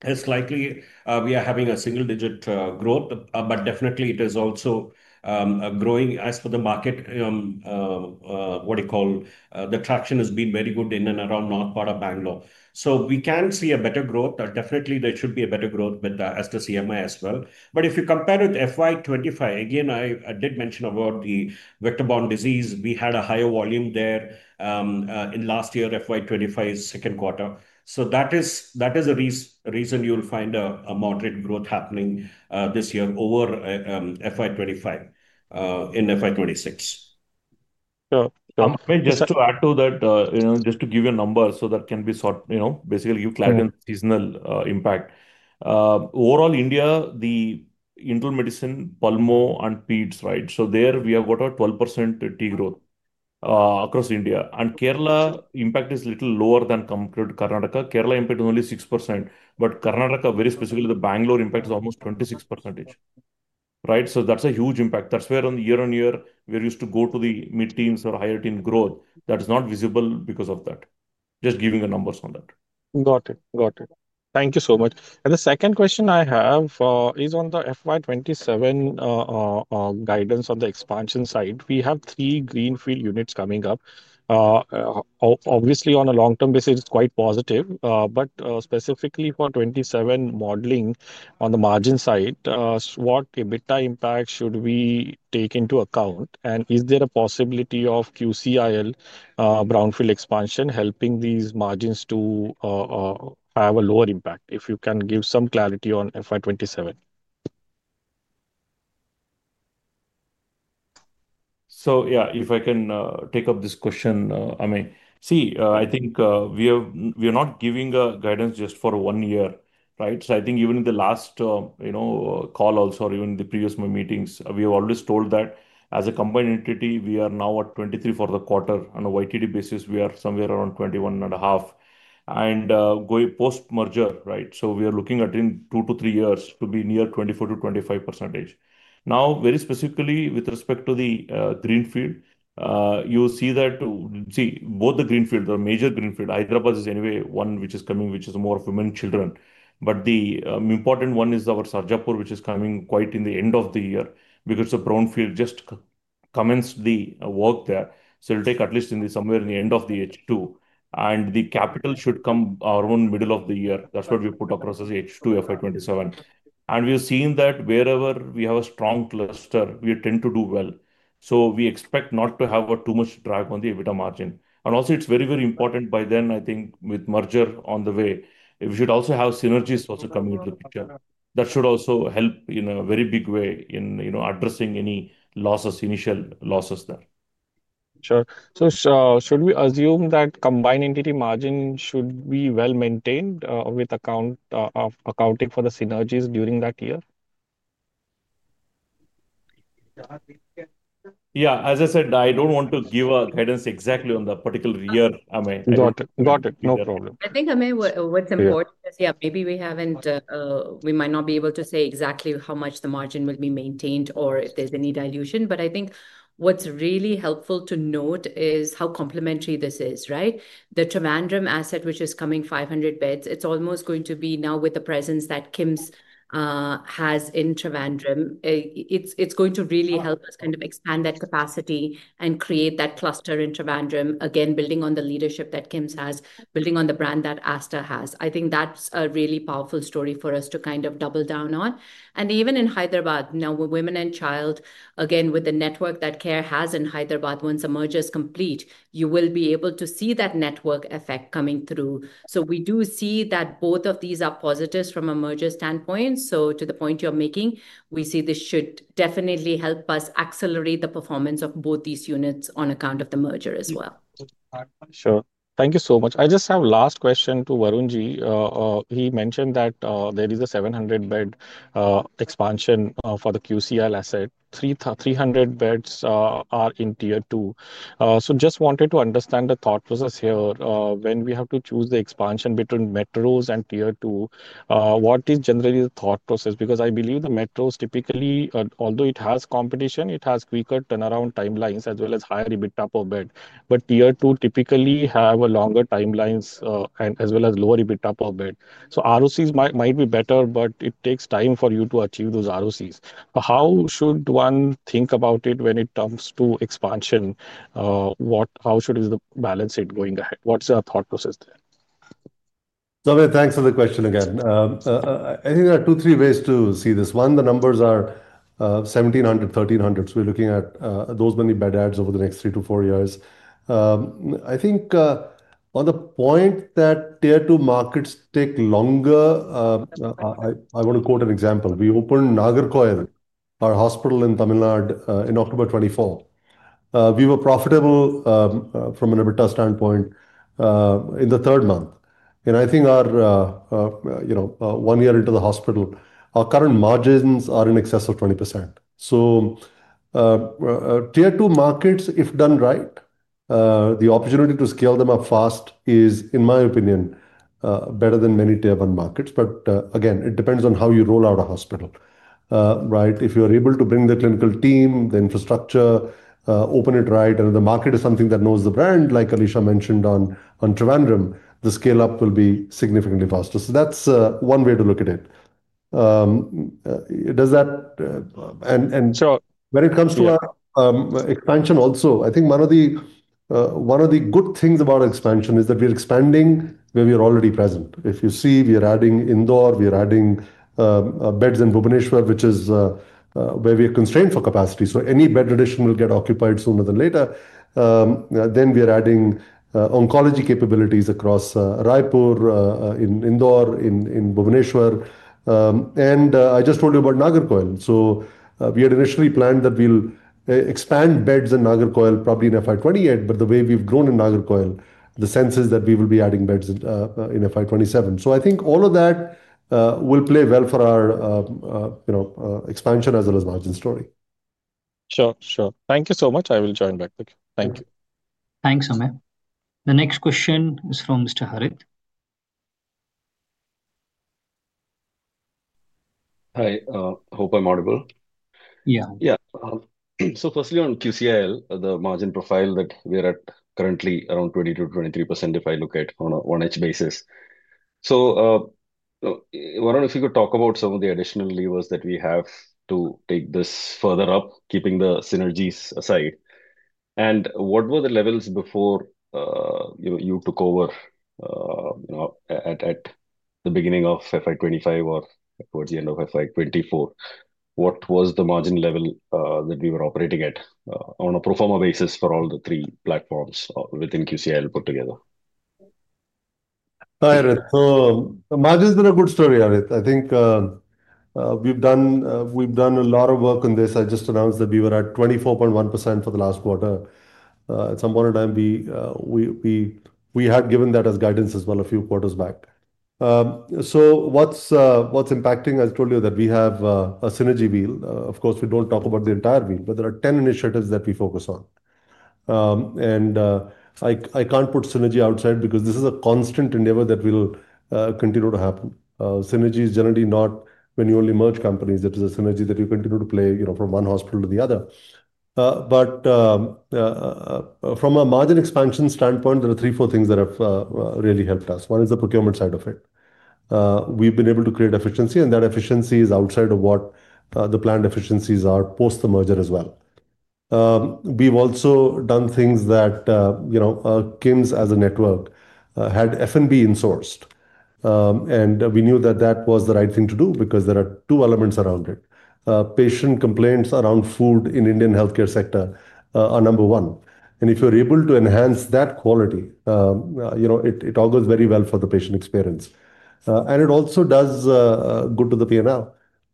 Speaker 3: It's likely we are having a single-digit growth, but definitely it is also growing as for the market. What do you call the traction has been very good in and around North part of Bangalore. You can see a better growth. Definitely, there should be a better growth as to CMI as well. If you compare with FY 2025, again, I did mention about the vector-borne disease, we had a higher volume there. In last year, FY 2025 is second quarter. That is a reason you'll find a moderate growth happening this year over FY 2025. In FY 2026.
Speaker 5: Just to add to that, just to give you a number so that can be sort, basically you flatten seasonal impact. Overall India, the internal medicine, Palmo, and Peds, right? There we have got a 12% T growth across India. Kerala impact is a little lower than compared to Karnataka. Kerala impact is only 6%. Karnataka, very specifically the Bangalore impact is almost 26%. Right? That is a huge impact. That is where year-on-year, we are used to go to the mid-teens or higher-teens growth. That is not visible because of that. Just giving the numbers on that.
Speaker 7: Got it. Thank you so much. The second question I have is on the FY 2027. Guidance on the expansion side. We have three greenfield units coming up. Obviously, on a long-term basis, it is quite positive. Specifically for 2027 modeling on the margin side, what EBITDA impact should we take into account? Is there a possibility of QCL brownfield expansion helping these margins to have a lower impact? If you can give some clarity on FY 2027.
Speaker 5: Yeah, if I can take up this question, I mean, see, I think we are not giving guidance just for one year, right? I think even in the last call also or even in the previous meetings, we have always told that as a combined entity, we are now at 23% for the quarter. On a YTD basis, we are somewhere around 21.5%. Post-merger, right, we are looking at in two to three years to be near 24%-25%. Now, very specifically with respect to the greenfield, you'll see that, see, both the greenfield, the major greenfield, Hyderabad is anyway one which is coming, which is more of women and children. The important one is our Sarjapur, which is coming quite in the end of the year because the brownfield just commenced the work there. It'll take at least somewhere in the end of the H2. The capital should come around middle of the year. That is what we put across as H2 FY 2027. We have seen that wherever we have a strong cluster, we tend to do well. We expect not to have too much drag on the EBITDA margin. Also, it is very, very important by then, I think, with merger on the way, we should also have synergies coming into the picture. That should also help in a very big way in addressing any initial losses there.
Speaker 7: Sure. Should we assume that combined entity margin should be well maintained with accounting for the synergies during that year?
Speaker 5: Yeah, as I said, I do not want to give a guidance exactly on the particular year. I mean,
Speaker 7: Got it. No problem.
Speaker 2: I think, I mean, what's important is, yeah, maybe we haven't, we might not be able to say exactly how much the margin will be maintained or if there's any dilution. I think what's really helpful to note is how complementary this is, right? The Trivandrum asset, which is coming, 500 beds, it's almost going to be now with the presence that KIMS has in Trivandrum. It's going to really help us kind of expand that capacity and create that cluster in Trivandrum, again, building on the leadership that KIMS has, building on the brand that Aster has. I think that's a really powerful story for us to kind of double down on. Even in Hyderabad, now with women and child, again, with the network that CARE has in Hyderabad, once a merger is complete, you will be able to see that network effect coming through. So we do see that both of these are positives from a merger standpoint. To the point you're making, we see this should definitely help us accelerate the performance of both these units on account of the merger as well.
Speaker 7: Sure. Thank you so much. I just have a last question to Varun. He mentioned that there is a 700-bed expansion for the QCL asset. 300 beds are in tier two. Just wanted to understand the thought process here when we have to choose the expansion between metros and Tier 2, what is generally the thought process? I believe the metros typically, although it has competition, it has quicker turnaround timelines as well as higher EBITDA per bed. Tier 2 typically have longer timelines as well as lower EBITDA per bed. ROCs might be better, but it takes time for you to achieve those ROCs. How should one think about it when it comes to expansion? How should we balance it going ahead? What's the thought process there?
Speaker 5: Ameh, thanks for the question again. I think there are two, three ways to see this. One, the numbers are 1,700, 1,300. So we're looking at those many bed ads over the next three to four years. I think on the point that tier two markets take longer. I want to quote an example. We opened Nagarkoil, our hospital in Tamil Nadu, in October 2024. We were profitable from an EBITDA standpoint in the third month. I think one year into the hospital, our current margins are in excess of 20%. Tier two markets, if done right, the opportunity to scale them up fast is, in my opinion, better than many Tier 1 markets. Again, it depends on how you roll out a hospital, right? If you are able to bring the clinical team, the infrastructure, open it right, and the market is something that knows the brand, like Alisha mentioned on Trivandrum, the scale-up will be significantly faster. That is one way to look at it. When it comes to expansion also, I think one of the good things about expansion is that we are expanding where we are already present. If you see, we are adding Indore, we are adding beds in Bhubaneswar, which is where we are constrained for capacity. Any bed addition will get occupied sooner than later. We are adding oncology capabilities across Raipur, in Indore, in Bhubaneswar. I just told you about Nagarkoil. We had initially planned that we would expand beds in Nagarkoil probably in FY 2028, but the way we have grown in Nagarkoil, the sense is that we will be adding beds in FY 2027. I think all of that will play well for our expansion as well as margin story.
Speaker 7: Sure, sure. Thank you so much. I will join back. Thank you.
Speaker 1: Thanks, Ameh. The next question is from Mr. Harith.
Speaker 8: Hi. Hope I am audible.
Speaker 1: Yeah.
Speaker 8: Firstly, on QCL, the margin profile that we are at currently, around 22%-23%, if I look at on a one-half basis. Varun, if you could talk about some of the additional levers that we have to take this further up, keeping the synergies aside. What were the levels before you took over at the beginning of FY 2025 or towards the end of FY 2024? What was the margin level that we were operating at on a pro forma basis for all the three platforms within QCL put together?
Speaker 5: Hi, Harith. Margin is a good story, Harith. I think. We've done a lot of work on this. I just announced that we were at 24.1% for the last quarter. At some point in time, we had given that as guidance as well a few quarters back. What's impacting? I told you that we have a synergy wheel. Of course, we do not talk about the entire wheel, but there are 10 initiatives that we focus on. I cannot put synergy outside because this is a constant endeavor that will continue to happen. Synergy is generally not when you only merge companies. It is a synergy that you continue to play from one hospital to the other. From a margin expansion standpoint, there are three, four things that have really helped us. One is the procurement side of it. We've been able to create efficiency, and that efficiency is outside of what the planned efficiencies are post the merger as well. We've also done things that KIMS as a network had F&B insourced. We knew that that was the right thing to do because there are two elements around it. Patient complaints around food in Indian healthcare sector are number one. If you're able to enhance that quality, it augurs very well for the patient experience. It also does good to the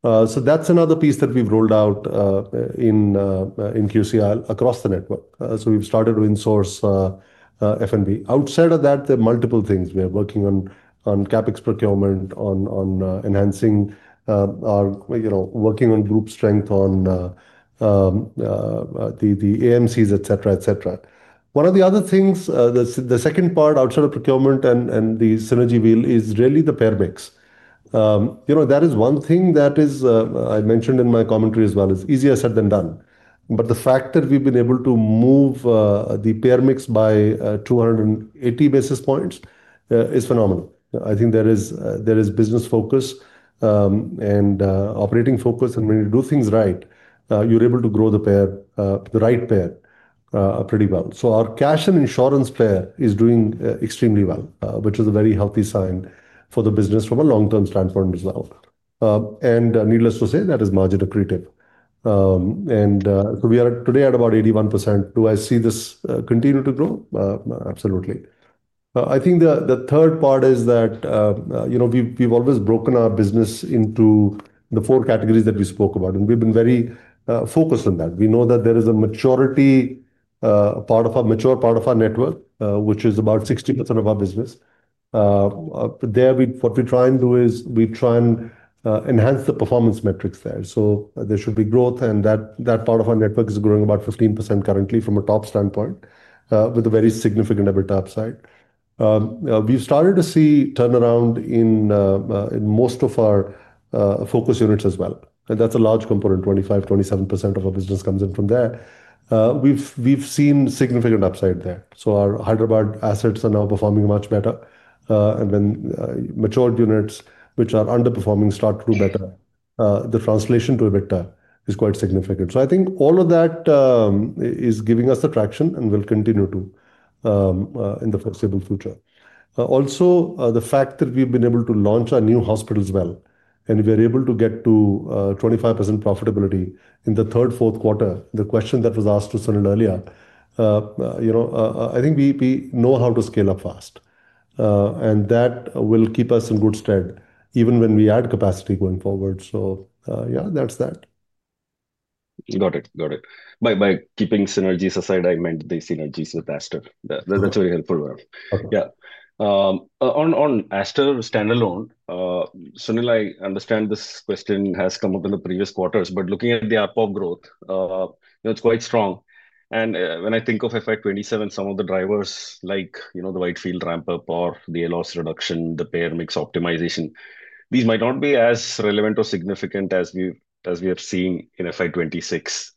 Speaker 5: P&L. That's another piece that we've rolled out in QCL across the network. We've started to insource F&B. Outside of that, there are multiple things. We are working on CapEx procurement, on enhancing or working on group strength, on. The AMCs, etc. One of the other things, the second part outside of procurement and the synergy wheel is really the payer mix. That is one thing that I mentioned in my commentary as well is easier said than done. The fact that we've been able to move the payer mix by 280 basis points is phenomenal. I think there is business focus and operating focus. When you do things right, you're able to grow the right payer pretty well. Our cash and insurance payer is doing extremely well, which is a very healthy sign for the business from a long-term standpoint as well. Needless to say, that is margin accretive. We are today at about 81%. Do I see this continue to grow? Absolutely. I think the third part is that we've always broken our business into the four categories that we spoke about. We've been very focused on that. We know that there is a maturity. Part of our mature part of our network, which is about 60% of our business. There, what we try and do is we try and enhance the performance metrics there. There should be growth. That part of our network is growing about 15% currently from a top standpoint with a very significant EBITDA upside. We've started to see turnaround in most of our focus units as well. That's a large component. 25%-27% of our business comes in from there. We've seen significant upside there. Our Hyderabad assets are now performing much better. When matured units, which are underperforming, start to do better, the translation to EBITDA is quite significant. I think all of that. Is giving us the traction and will continue to, in the foreseeable future. Also, the fact that we've been able to launch our new hospitals well and we are able to get to 25% profitability in the third, fourth quarter, the question that was asked to Sunil earlier. I think we know how to scale up fast. And that will keep us in good stead even when we add capacity going forward. Yeah, that's that.
Speaker 8: Got it. By keeping synergies aside, I meant the synergies with Aster. That's a very helpful one. Yeah. On Aster standalone, Sunil, I understand this question has come up in the previous quarters, but looking at the ARPP growth. It's quite strong. When I think of FY 2027, some of the drivers like the Whitefield ramp-up or the ALOS reduction, the payer mix optimization, these might not be as relevant or significant as we have seen in FY 2026.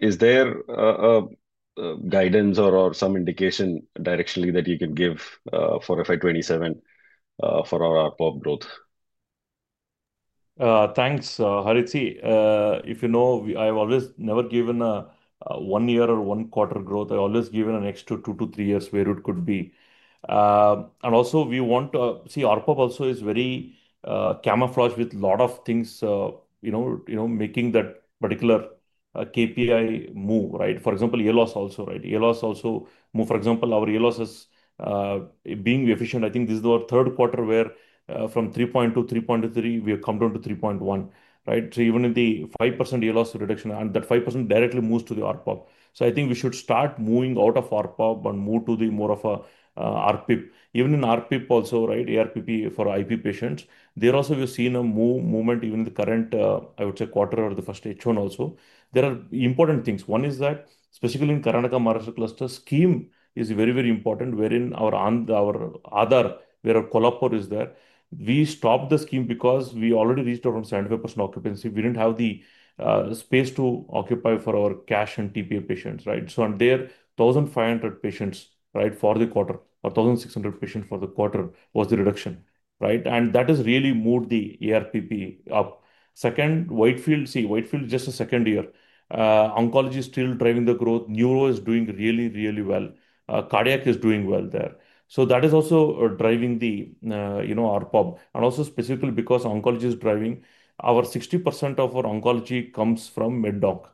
Speaker 8: Is there guidance or some indication directionally that you can give for FY 2027 for our ARPP growth?
Speaker 9: Thanks, Harith. If you know, I've always never given a one-year or one-quarter growth. I've always given an extra two to three years where it could be. Also, we want to see ARPP also is very camouflaged with a lot of things. Making that particular KPI move, right? For example, ALOS also, right? ALOS also moves. For example, our ALOS is being efficient. I think this is our third quarter where from 3.2, 3.3, we have come down to 3.1, right? Even in the 5% ALOS reduction, and that 5% directly moves to the ARPP. I think we should start moving out of ARPP and move to more of an ARPP for IP. Even in ARPP also, right? ARPP for IP patients. There also, we've seen a movement even in the current, I would say, quarter or the first H1 also. There are important things. One is that specifically in Karnataka Maharashtra cluster, scheme is very, very important. Wherein our Aadhaar, where our Kolhapur is there, we stopped the scheme because we already reached around 75% occupancy. We did not have the space to occupy for our cash and TPA patients, right? On there, 1,500 patients, right, for the quarter, or 1,600 patients for the quarter was the reduction, right? That has really moved the ARPP up. Second, Whitefield, see, Whitefield is just a second year. Oncology is still driving the growth. Neuro is doing really, really well. Cardiac is doing well there. That is also driving the ARPP. Also, specifically because oncology is driving, 60% of our oncology comes from MedOnc.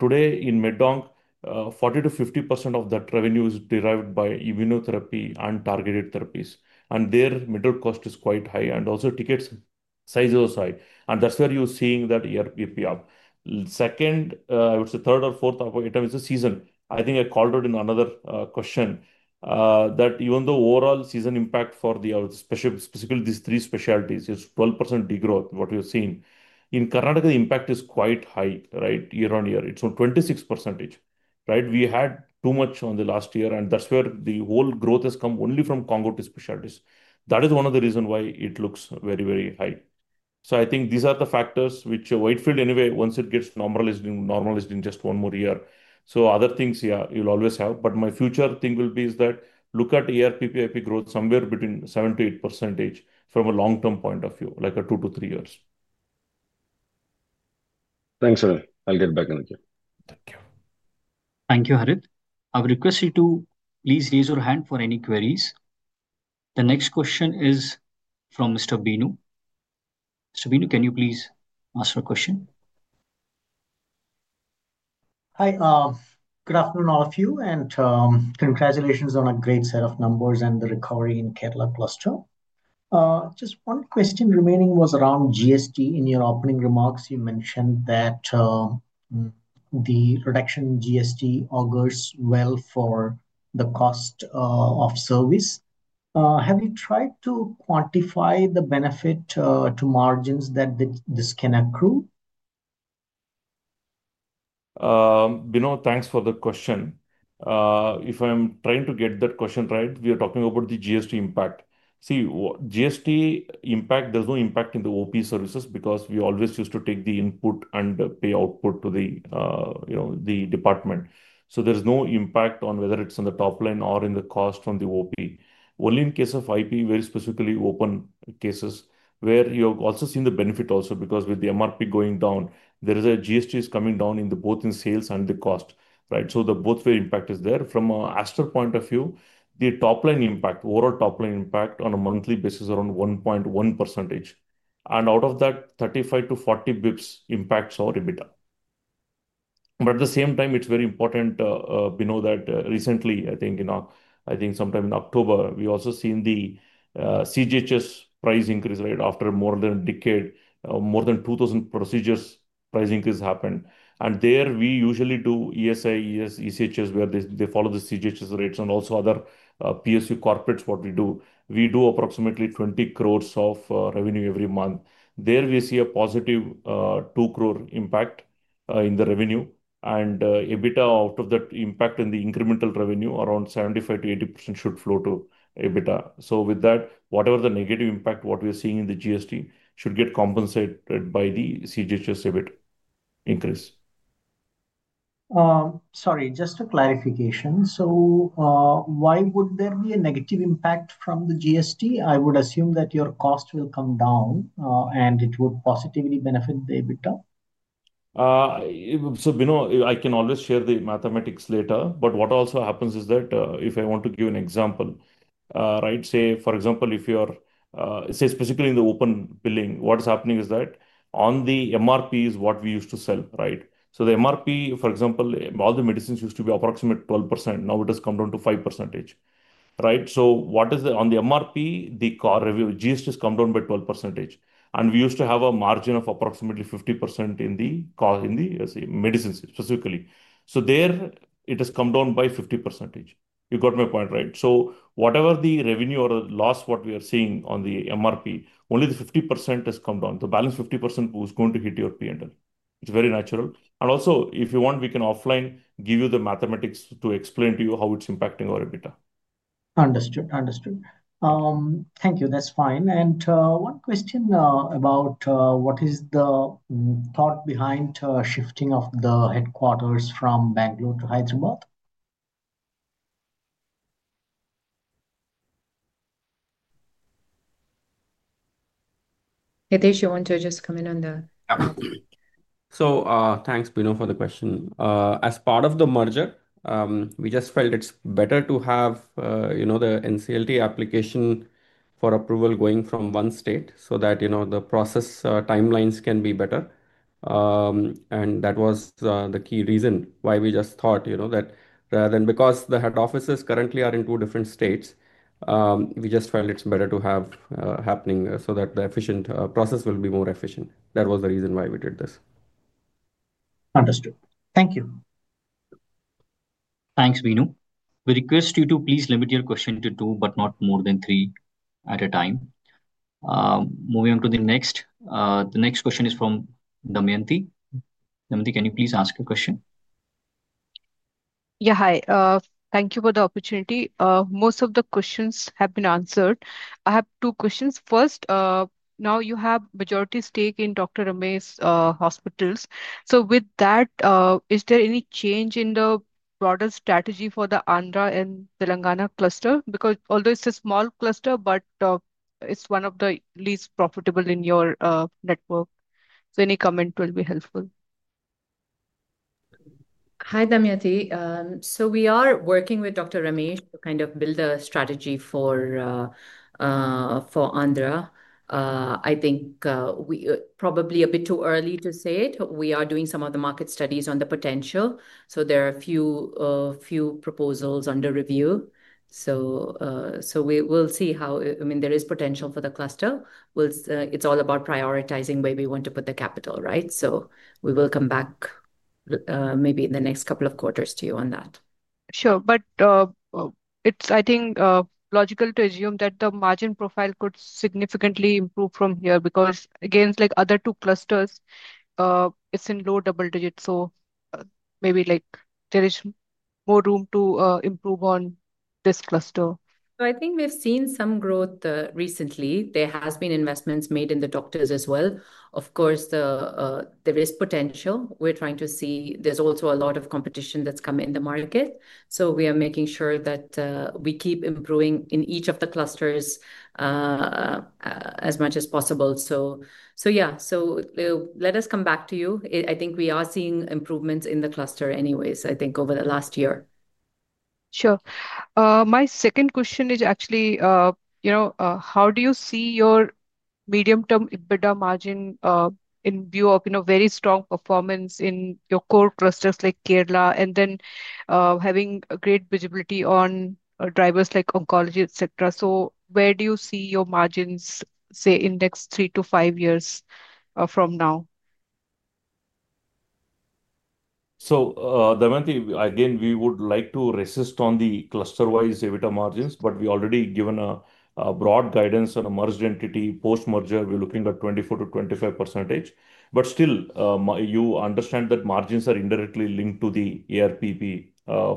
Speaker 9: Today, in MedOnc, 40%-50% of that revenue is derived by immunotherapy and targeted therapies. Their middle cost is quite high and also ticket sizes are high. That is where you are seeing that ARPP up. Second, I would say third or fourth item is the season. I think I called out in another question that even though overall season impact for specifically these three specialties is 12% degrowth, what we have seen in Karnataka, the impact is quite high, right? Year-on-year, it is on 26%. We had too much on the last year, and that is where the whole growth has come only from contiguous specialties. That is one of the reasons why it looks very, very high. I think these are the factors which Whitefield, anyway, once it gets normalized in just one more year. Other things, yeah, you'll always have. My future thing will be is that look at ARPP growth somewhere between 7%-8% from a long-term point of view, like two to three years.
Speaker 8: Thanks, Ameh. I'll get back in a bit.
Speaker 3: Thank you.
Speaker 1: Thank you, Harith. I'll request you to please raise your hand for any queries. The next question is from Mr. Beenu. Mr. Beenu, can you please ask your question?
Speaker 10: Hi. Good afternoon, all of you. Congratulations on a great set of numbers and the recovery in Kerala cluster. Just one question remaining was around GST. In your opening remarks, you mentioned that. The reduction in GST augurs well for the cost of service. Have you tried to quantify the benefit to margins that this can accrue?
Speaker 5: Beenu, thanks for the question. If I'm trying to get that question right, we are talking about the GST impact. See, GST impact, there's no impact in the OP services because we always used to take the input and pay output to the department. So there's no impact on whether it's in the top line or in the cost from the OP. Only in case of IP, very specifically open cases, where you have also seen the benefit also because with the MRP going down, there is a GST is coming down in both in sales and the cost, right? So the both way impact is there. From an Aster point of view, the top line impact, overall top line impact on a monthly basis, around 1.1%. Out of that, 35-40 bps impacts our EBITDA. At the same time, it's very important, Beenu, that recently, I think sometime in October, we also seen the CGHS price increase, right? After more than a decade, more than 2,000 procedures price increase happened. There, we usually do ESI, ES, ECHS, where they follow the CGHS rates and also other PSU corporates, what we do. We do approximately 20 of revenue every month. There, we see a positive 2 crore impact in the revenue. EBITDA out of that impact in the incremental revenue, around 7%5-80% should flow to EBITDA. With that, whatever the negative impact what we are seeing in the GST should get compensated by the CGHS EBIT increase.
Speaker 10: Sorry, just a clarification. Why would there be a negative impact from the GST? I would assume that your cost will come down. It would positively benefit the EBITDA?
Speaker 5: Beenu, I can always share the mathematics later. What also happens is that, if I want to give an example, right? For example, if you're, specifically in the open billing, what's happening is that on the MRP is what we used to sell, right? The MRP, for example, all the medicines used to be approximately 12%. Now it has come down to 5%. What is the, on the MRP, the GST has come down by 12%. We used to have a margin of approximately 50% in the medicines, specifically. There, it has come down by 50%. You got my point, right? Whatever the revenue or the loss what we are seeing on the MRP, only the 50% has come down. The balance 50% was going to hit your P&L. It is very natural. Also, if you want, we can offline give you the mathematics to explain to you how it is impacting our EBITDA.
Speaker 10: Understood. Thank you. That is fine. One question about what is the thought behind shifting of the headquarters from Bangalore to Hyderabad?
Speaker 2: Hitesh, you want to just come in on?
Speaker 11: Yeah. Thanks, Beenu, for the question. As part of the merger, we just felt it is better to have the NCLT application for approval going from one state so that the process timelines can be better. That was the key reason why we just thought that rather than because the head offices currently are in two different states. We just felt it's better to have happening so that the efficient process will be more efficient. That was the reason why we did this.
Speaker 10: Understood. Thank you.
Speaker 1: Thanks, Beenu. We request you to please limit your question to two, but not more than three at a time. Moving on to the next. The next question is from Damyanti. Damyanti, can you please ask your question?
Speaker 12: Yeah, hi. Thank you for the opportunity. Most of the questions have been answered. I have two questions. First. Now you have majority stake in Dr. Ramesh's hospitals. So with that. Is there any change in the broader strategy for the Andhra and Telangana cluster? Because although it's a small cluster, but it's one of the least profitable in your network. So any comment will be helpful.
Speaker 2: Hi, Damyanti. So we are working with Dr. Ramesh to kind of build a strategy for. Andhra. I think. Probably a bit too early to say it. We are doing some of the market studies on the potential. So there are a few proposals under review. We'll see how, I mean, there is potential for the cluster. It's all about prioritizing where we want to put the capital, right? We will come back maybe in the next couple of quarters to you on that.
Speaker 12: Sure. I think it's logical to assume that the margin profile could significantly improve from here because, again, it's like other two clusters. It's in low double digits. Maybe there is more room to improve on this cluster.
Speaker 2: I think we've seen some growth recently. There have been investments made in the doctors as well. Of course, there is potential. We're trying to see. There's also a lot of competition that's come in the market. We are making sure that we keep improving in each of the clusters as much as possible. Let us come back to you. I think we are seeing improvements in the cluster anyways, I think, over the last year.
Speaker 12: Sure. My second question is actually, how do you see your medium-term EBITDA margin in view of very strong performance in your core clusters like Kerala and then having great visibility on drivers like oncology, etc.? Where do you see your margins, say, in the next three to five years from now?
Speaker 3: Damyanti, again, we would like to resist on the cluster-wise EBITDA margins, but we already given a broad guidance on a merged entity. Post-merger, we are looking at 24%-25%. Still, you understand that margins are indirectly linked to the ARPP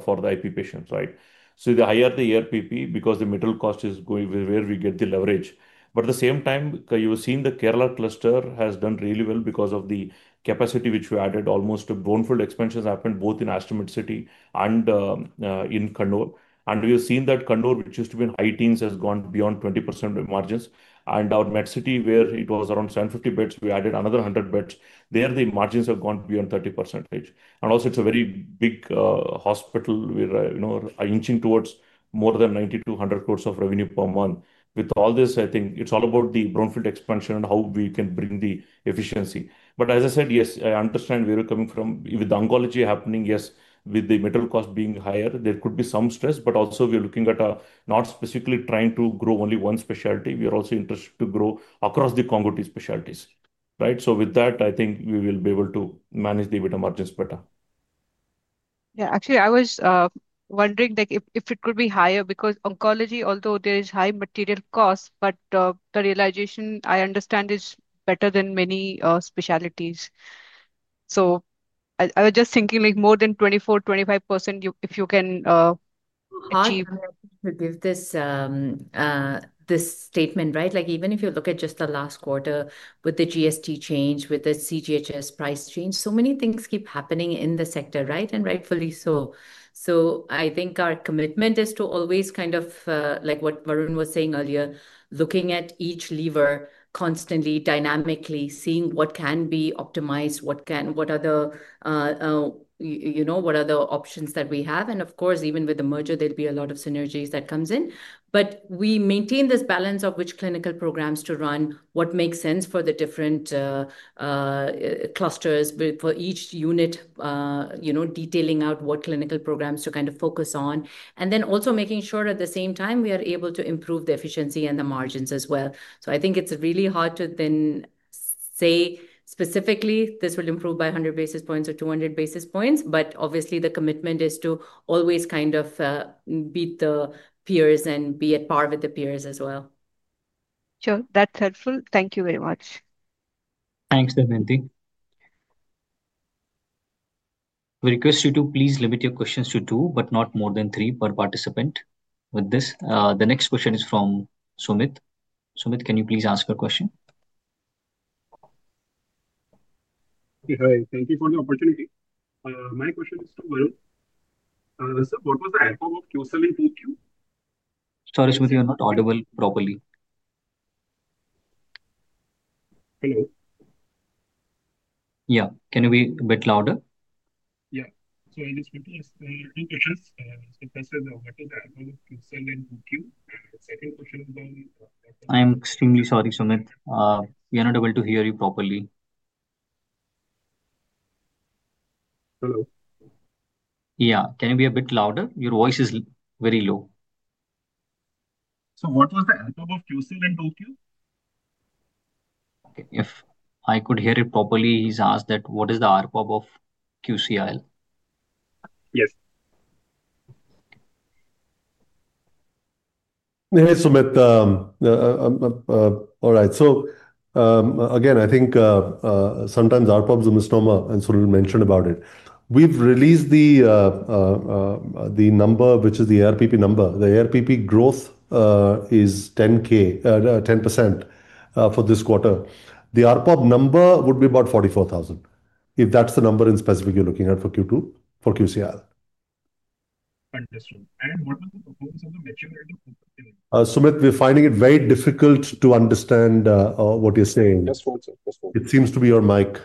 Speaker 3: for the IP patients, right? The higher the ARPP because the middle cost is where we get the leverage. At the same time, you have seen the Kerala cluster has done really well because of the capacity which we added. Almost a brownfield expansion happened both in Aster Medcity and in Kannur. We have seen that Kannur, which used to be in high teens, has gone beyond 20% margins. Our Medcity, where it was around 750 beds, we added another 100 beds. There, the margins have gone beyond 30%. Also, it is a very big hospital where we are inching towards more than 90-100 crore of revenue per month. With all this, I think it is all about the brownfield expansion and how we can bring the efficiency. As I said, yes, I understand where we are coming from. With the oncology happening, yes, with the middle cost being higher, there could be some stress, but also we're looking at not specifically trying to grow only one specialty. We are also interested to grow across the contiguous specialties, right? With that, I think we will be able to manage the EBITDA margins better.
Speaker 12: Yeah, actually, I was wondering if it could be higher because oncology, although there is high material cost, but the realization I understand is better than many specialties. I was just thinking more than 24%-25% if you can achieve.
Speaker 2: To give this statement, right? Even if you look at just the last quarter with the GST change, with the CGHS price change, so many things keep happening in the sector, right? Rightfully so. I think our commitment is to always, kind of like what Varun was saying earlier, looking at each lever constantly, dynamically, seeing what can be optimized, what are the options that we have. Of course, even with the merger, there will be a lot of synergies that come in. We maintain this balance of which clinical programs to run, what makes sense for the different clusters for each unit, detailing out what clinical programs to kind of focus on, and then also making sure at the same time we are able to improve the efficiency and the margins as well. I think it is really hard to then say specifically this will improve by 100 basis points or 200 basis points, but obviously the commitment is to always kind of beat the peers and be at par with the peers as well. Sure.
Speaker 12: That's helpful. Thank you very much.
Speaker 1: Thanks, Damyanti. We request you to please limit your questions to two, but not more than three per participant. With this, the next question is from Sumit. Sumit, can you please ask your question?
Speaker 13: Hi, thank you for the opportunity. My question is to Varun. Sir, what was the FO of QCL in 2Q?
Speaker 1: Sorry, Sumit, you are not audible properly.
Speaker 13: Hello?
Speaker 1: Yeah. Can you be a bit louder?
Speaker 13: Yeah. I just want to ask two questions. First is, what is the FO of QCL in 2Q? And second question is on.
Speaker 1: I'm extremely sorry, Sumit. We are not able to hear you properly.
Speaker 13: Hello?
Speaker 1: Yeah. Can you be a bit louder? Your voice is very low.
Speaker 13: What was the FO of QCL in 2Q?
Speaker 1: Okay. If I could hear it properly, he's asked what is the ARPP of QCL?
Speaker 5: Yes. Hey, Sumit. All right. So. Again, I think. Sometimes ARPPs, Sumit, Sunil mentioned about it. We've released the number, which is the ARPP number. The ARPP growth is 10% for this quarter. The ARPP number would be about 44,000. If that's the number in specific you're looking at for Q2, for QCL. Sumit, we're finding it very difficult to understand what you're saying. Just hold, sir. Just hold. It seems to be your mic.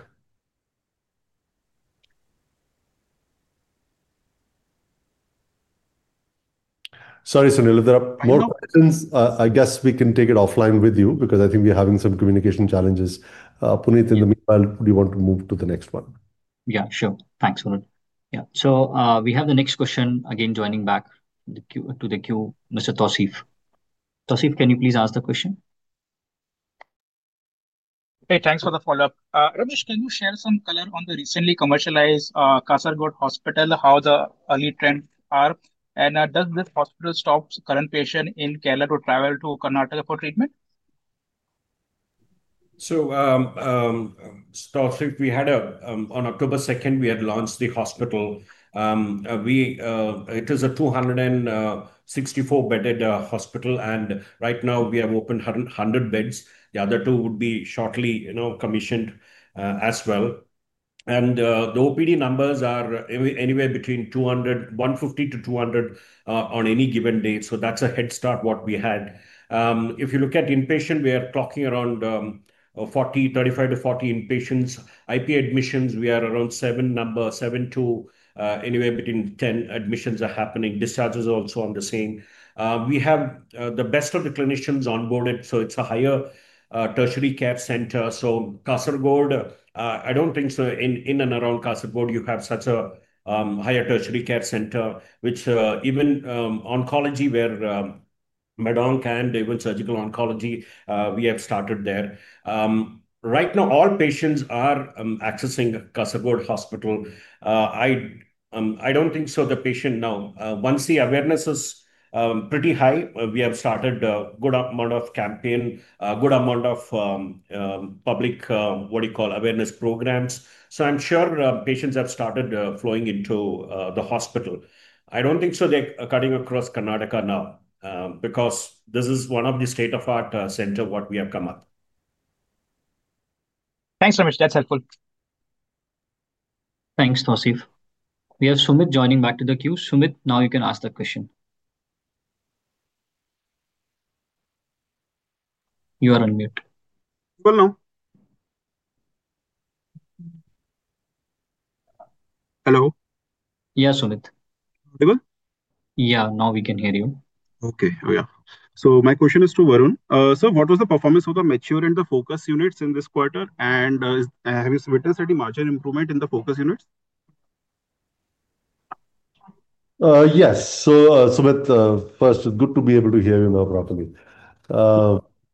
Speaker 5: Sorry, Sunil. There are more questions. I guess we can take it offline with you because I think we're having some communication challenges. Puneet, in the meanwhile, do you want to move to the next one?
Speaker 1: Yeah, sure. Thanks for it. Yeah. We have the next question, again joining back to the queue, Mr. Tawseef. Tawseef, can you please ask the question?
Speaker 6: Hey, thanks for the follow-up. Ramesh, can you share some color on the recently commercialized Kasaragod hospital, how the early trends are? And does this hospital stop current patients in Kerala to travel to Karnataka for treatment?
Speaker 3: Tawseef, we had a, on October 2nd, we had launched the hospital. It is a 264-bedded hospital. Right now, we have opened 100 beds. The other two would be shortly commissioned as well. The OPD numbers are anywhere between 150-200 on any given day. That is a head start what we had. If you look at inpatient, we are talking around 35-40 inpatients. IP admissions, we are around 7 to anywhere between 10 admissions are happening. Discharges are also on the same. We have the best of the clinicians onboarded. It is a higher tertiary care center. Kasargod, I do not think in and around Kasargod you have such a higher tertiary care center, which even oncology where. MedOnc and even surgical oncology, we have started there. Right now, all patients are accessing Kasargod Hospital. I do not think the patient now. Once the awareness is pretty high, we have started a good amount of campaign, a good amount of public, what do you call, awareness programs. I am sure patients have started flowing into the hospital. I do not think they are cutting across Karnataka now because this is one of the state-of-art centers we have come up.
Speaker 6: Thanks, Ramesh. That is helpful.
Speaker 1: Thanks, Tawseef. We have Sumit joining back to the queue. Sumit, now you can ask the question. You are on mute.
Speaker 13: Hello?
Speaker 1: Yeah, Sumit. Yeah. Now we can hear you.
Speaker 13: Okay. Yeah. My question is to Varun. Sir, what was the performance of the mature and the focus units in this quarter? And have you witnessed any margin improvement in the focus units?
Speaker 5: Yes. Sumit, first, it's good to be able to hear you now properly.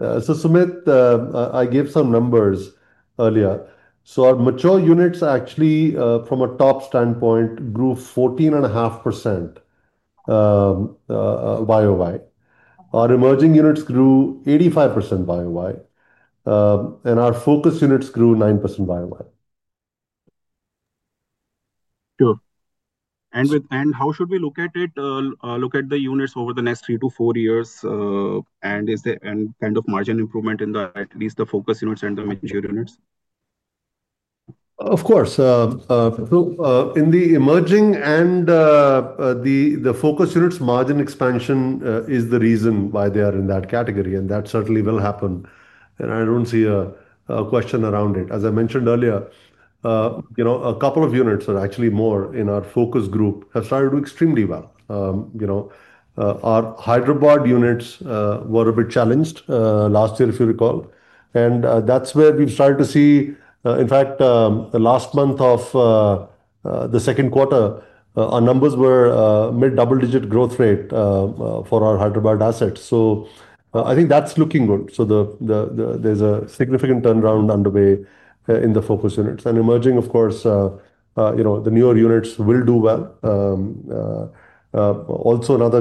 Speaker 5: Sumit, I gave some numbers earlier. Our mature units actually, from a top standpoint, grew 14.5% YoY. Our emerging units grew 85% YoY. Our focus units grew 9% YoY.
Speaker 13: Sure. How should we look at the units over the next three to four years, and kind of margin improvement in at least the focus units and the mature units?
Speaker 5: Of course. In the emerging and the focus units, margin expansion is the reason why they are in that category, and that certainly will happen. I don't see a question around it, as I mentioned earlier. A couple of units, or actually more in our focus group, have started to do extremely well. Our Hyderabad units were a bit challenged last year, if you recall. That's where we've started to see, in fact, the last month of the second quarter, our numbers were mid-double-digit growth rate for our Hyderabad assets. I think that's looking good. There's a significant turnaround underway in the focus units. Emerging, of course, the newer units will do well. Also, another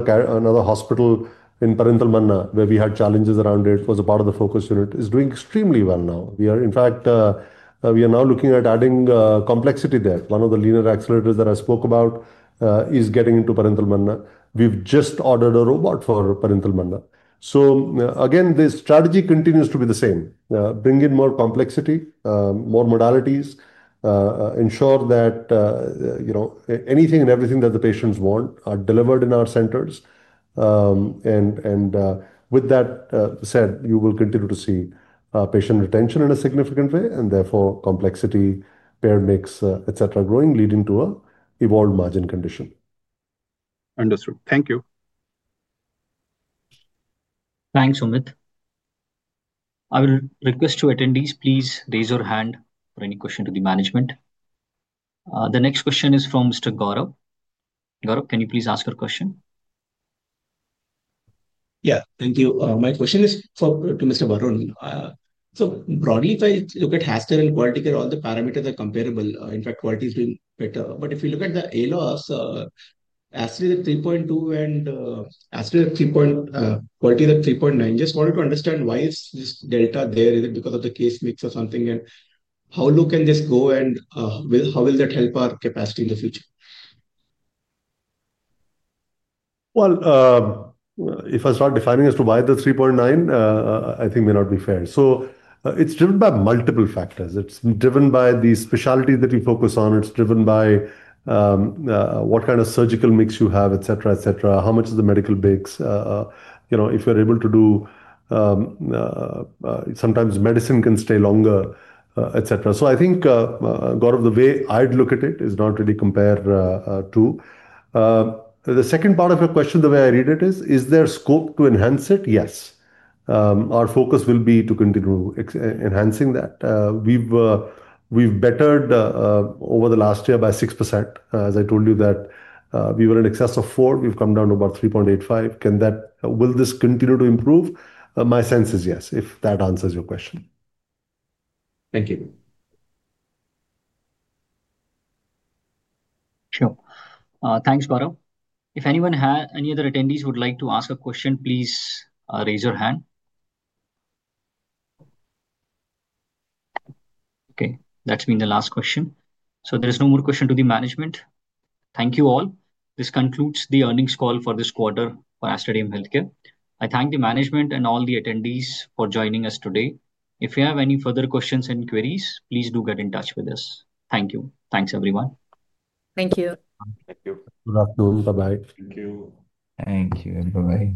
Speaker 5: hospital in Perinthalmanna, where we had challenges around it, was a part of the focus unit, is doing extremely well now. In fact, we are now looking at adding complexity there. One of the linear accelerators that I spoke about is getting into Perinthalmanna. We've just ordered a robot for Perinthalmanna. Again, the strategy continues to be the same. Bring in more complexity, more modalities, ensure that. Anything and everything that the patients want are delivered in our centers. With that said, you will continue to see patient retention in a significant way, and therefore complexity, paired mix, etc., growing, leading to an evolved margin condition.
Speaker 13: Understood. Thank you.
Speaker 1: Thanks, Sumit. I will request two attendees, please raise your hand for any question to the management. The next question is from Mr. Gaurav. Gaurav, can you please ask your question?
Speaker 14: Yeah. Thank you. My question is to Mr. Varun. Broadly, if I look at healthcare and quality care, all the parameters are comparable. In fact, quality has been better. If you look at the ALOS, Aster at 3.2 and Aster at 3.9. Just wanted to understand why is this delta there? Is it because of the case mix or something? How low can this go? How will that help our capacity in the future?
Speaker 5: If I start defining as to why the 3.9, I think may not be fair. It is driven by multiple factors. It is driven by the specialty that you focus on. It is driven by what kind of surgical mix you have, etc., etc. How much is the medical mix? If you are able to do sometimes medicine can stay longer, etc. I think, Gaurav, the way I would look at it is not really compare to the second part of your question, the way I read it is, is there scope to enhance it? Yes. Our focus will be to continue enhancing that. We have bettered over the last year by 6%. As I told you that we were in excess of 4, we have come down to about 3.85. Will this continue to improve? My sense is yes, if that answers your question.
Speaker 14: Thank you.
Speaker 1: Sure. Thanks, Gaurav. If anyone has any other attendees who would like to ask a question, please raise your hand. Okay. That has been the last question. There is no more question to the management. Thank you all. This concludes the earnings call for this quarter for Aster DM Healthcare. I thank the management and all the attendees for joining us today. If you have any further questions and queries, please do get in touch with us. Thank you. Thanks, everyone.
Speaker 2: Thank you.
Speaker 3: Thank you.
Speaker 4: Good afternoon. Bye-bye.
Speaker 5: Thank you. Bye-bye.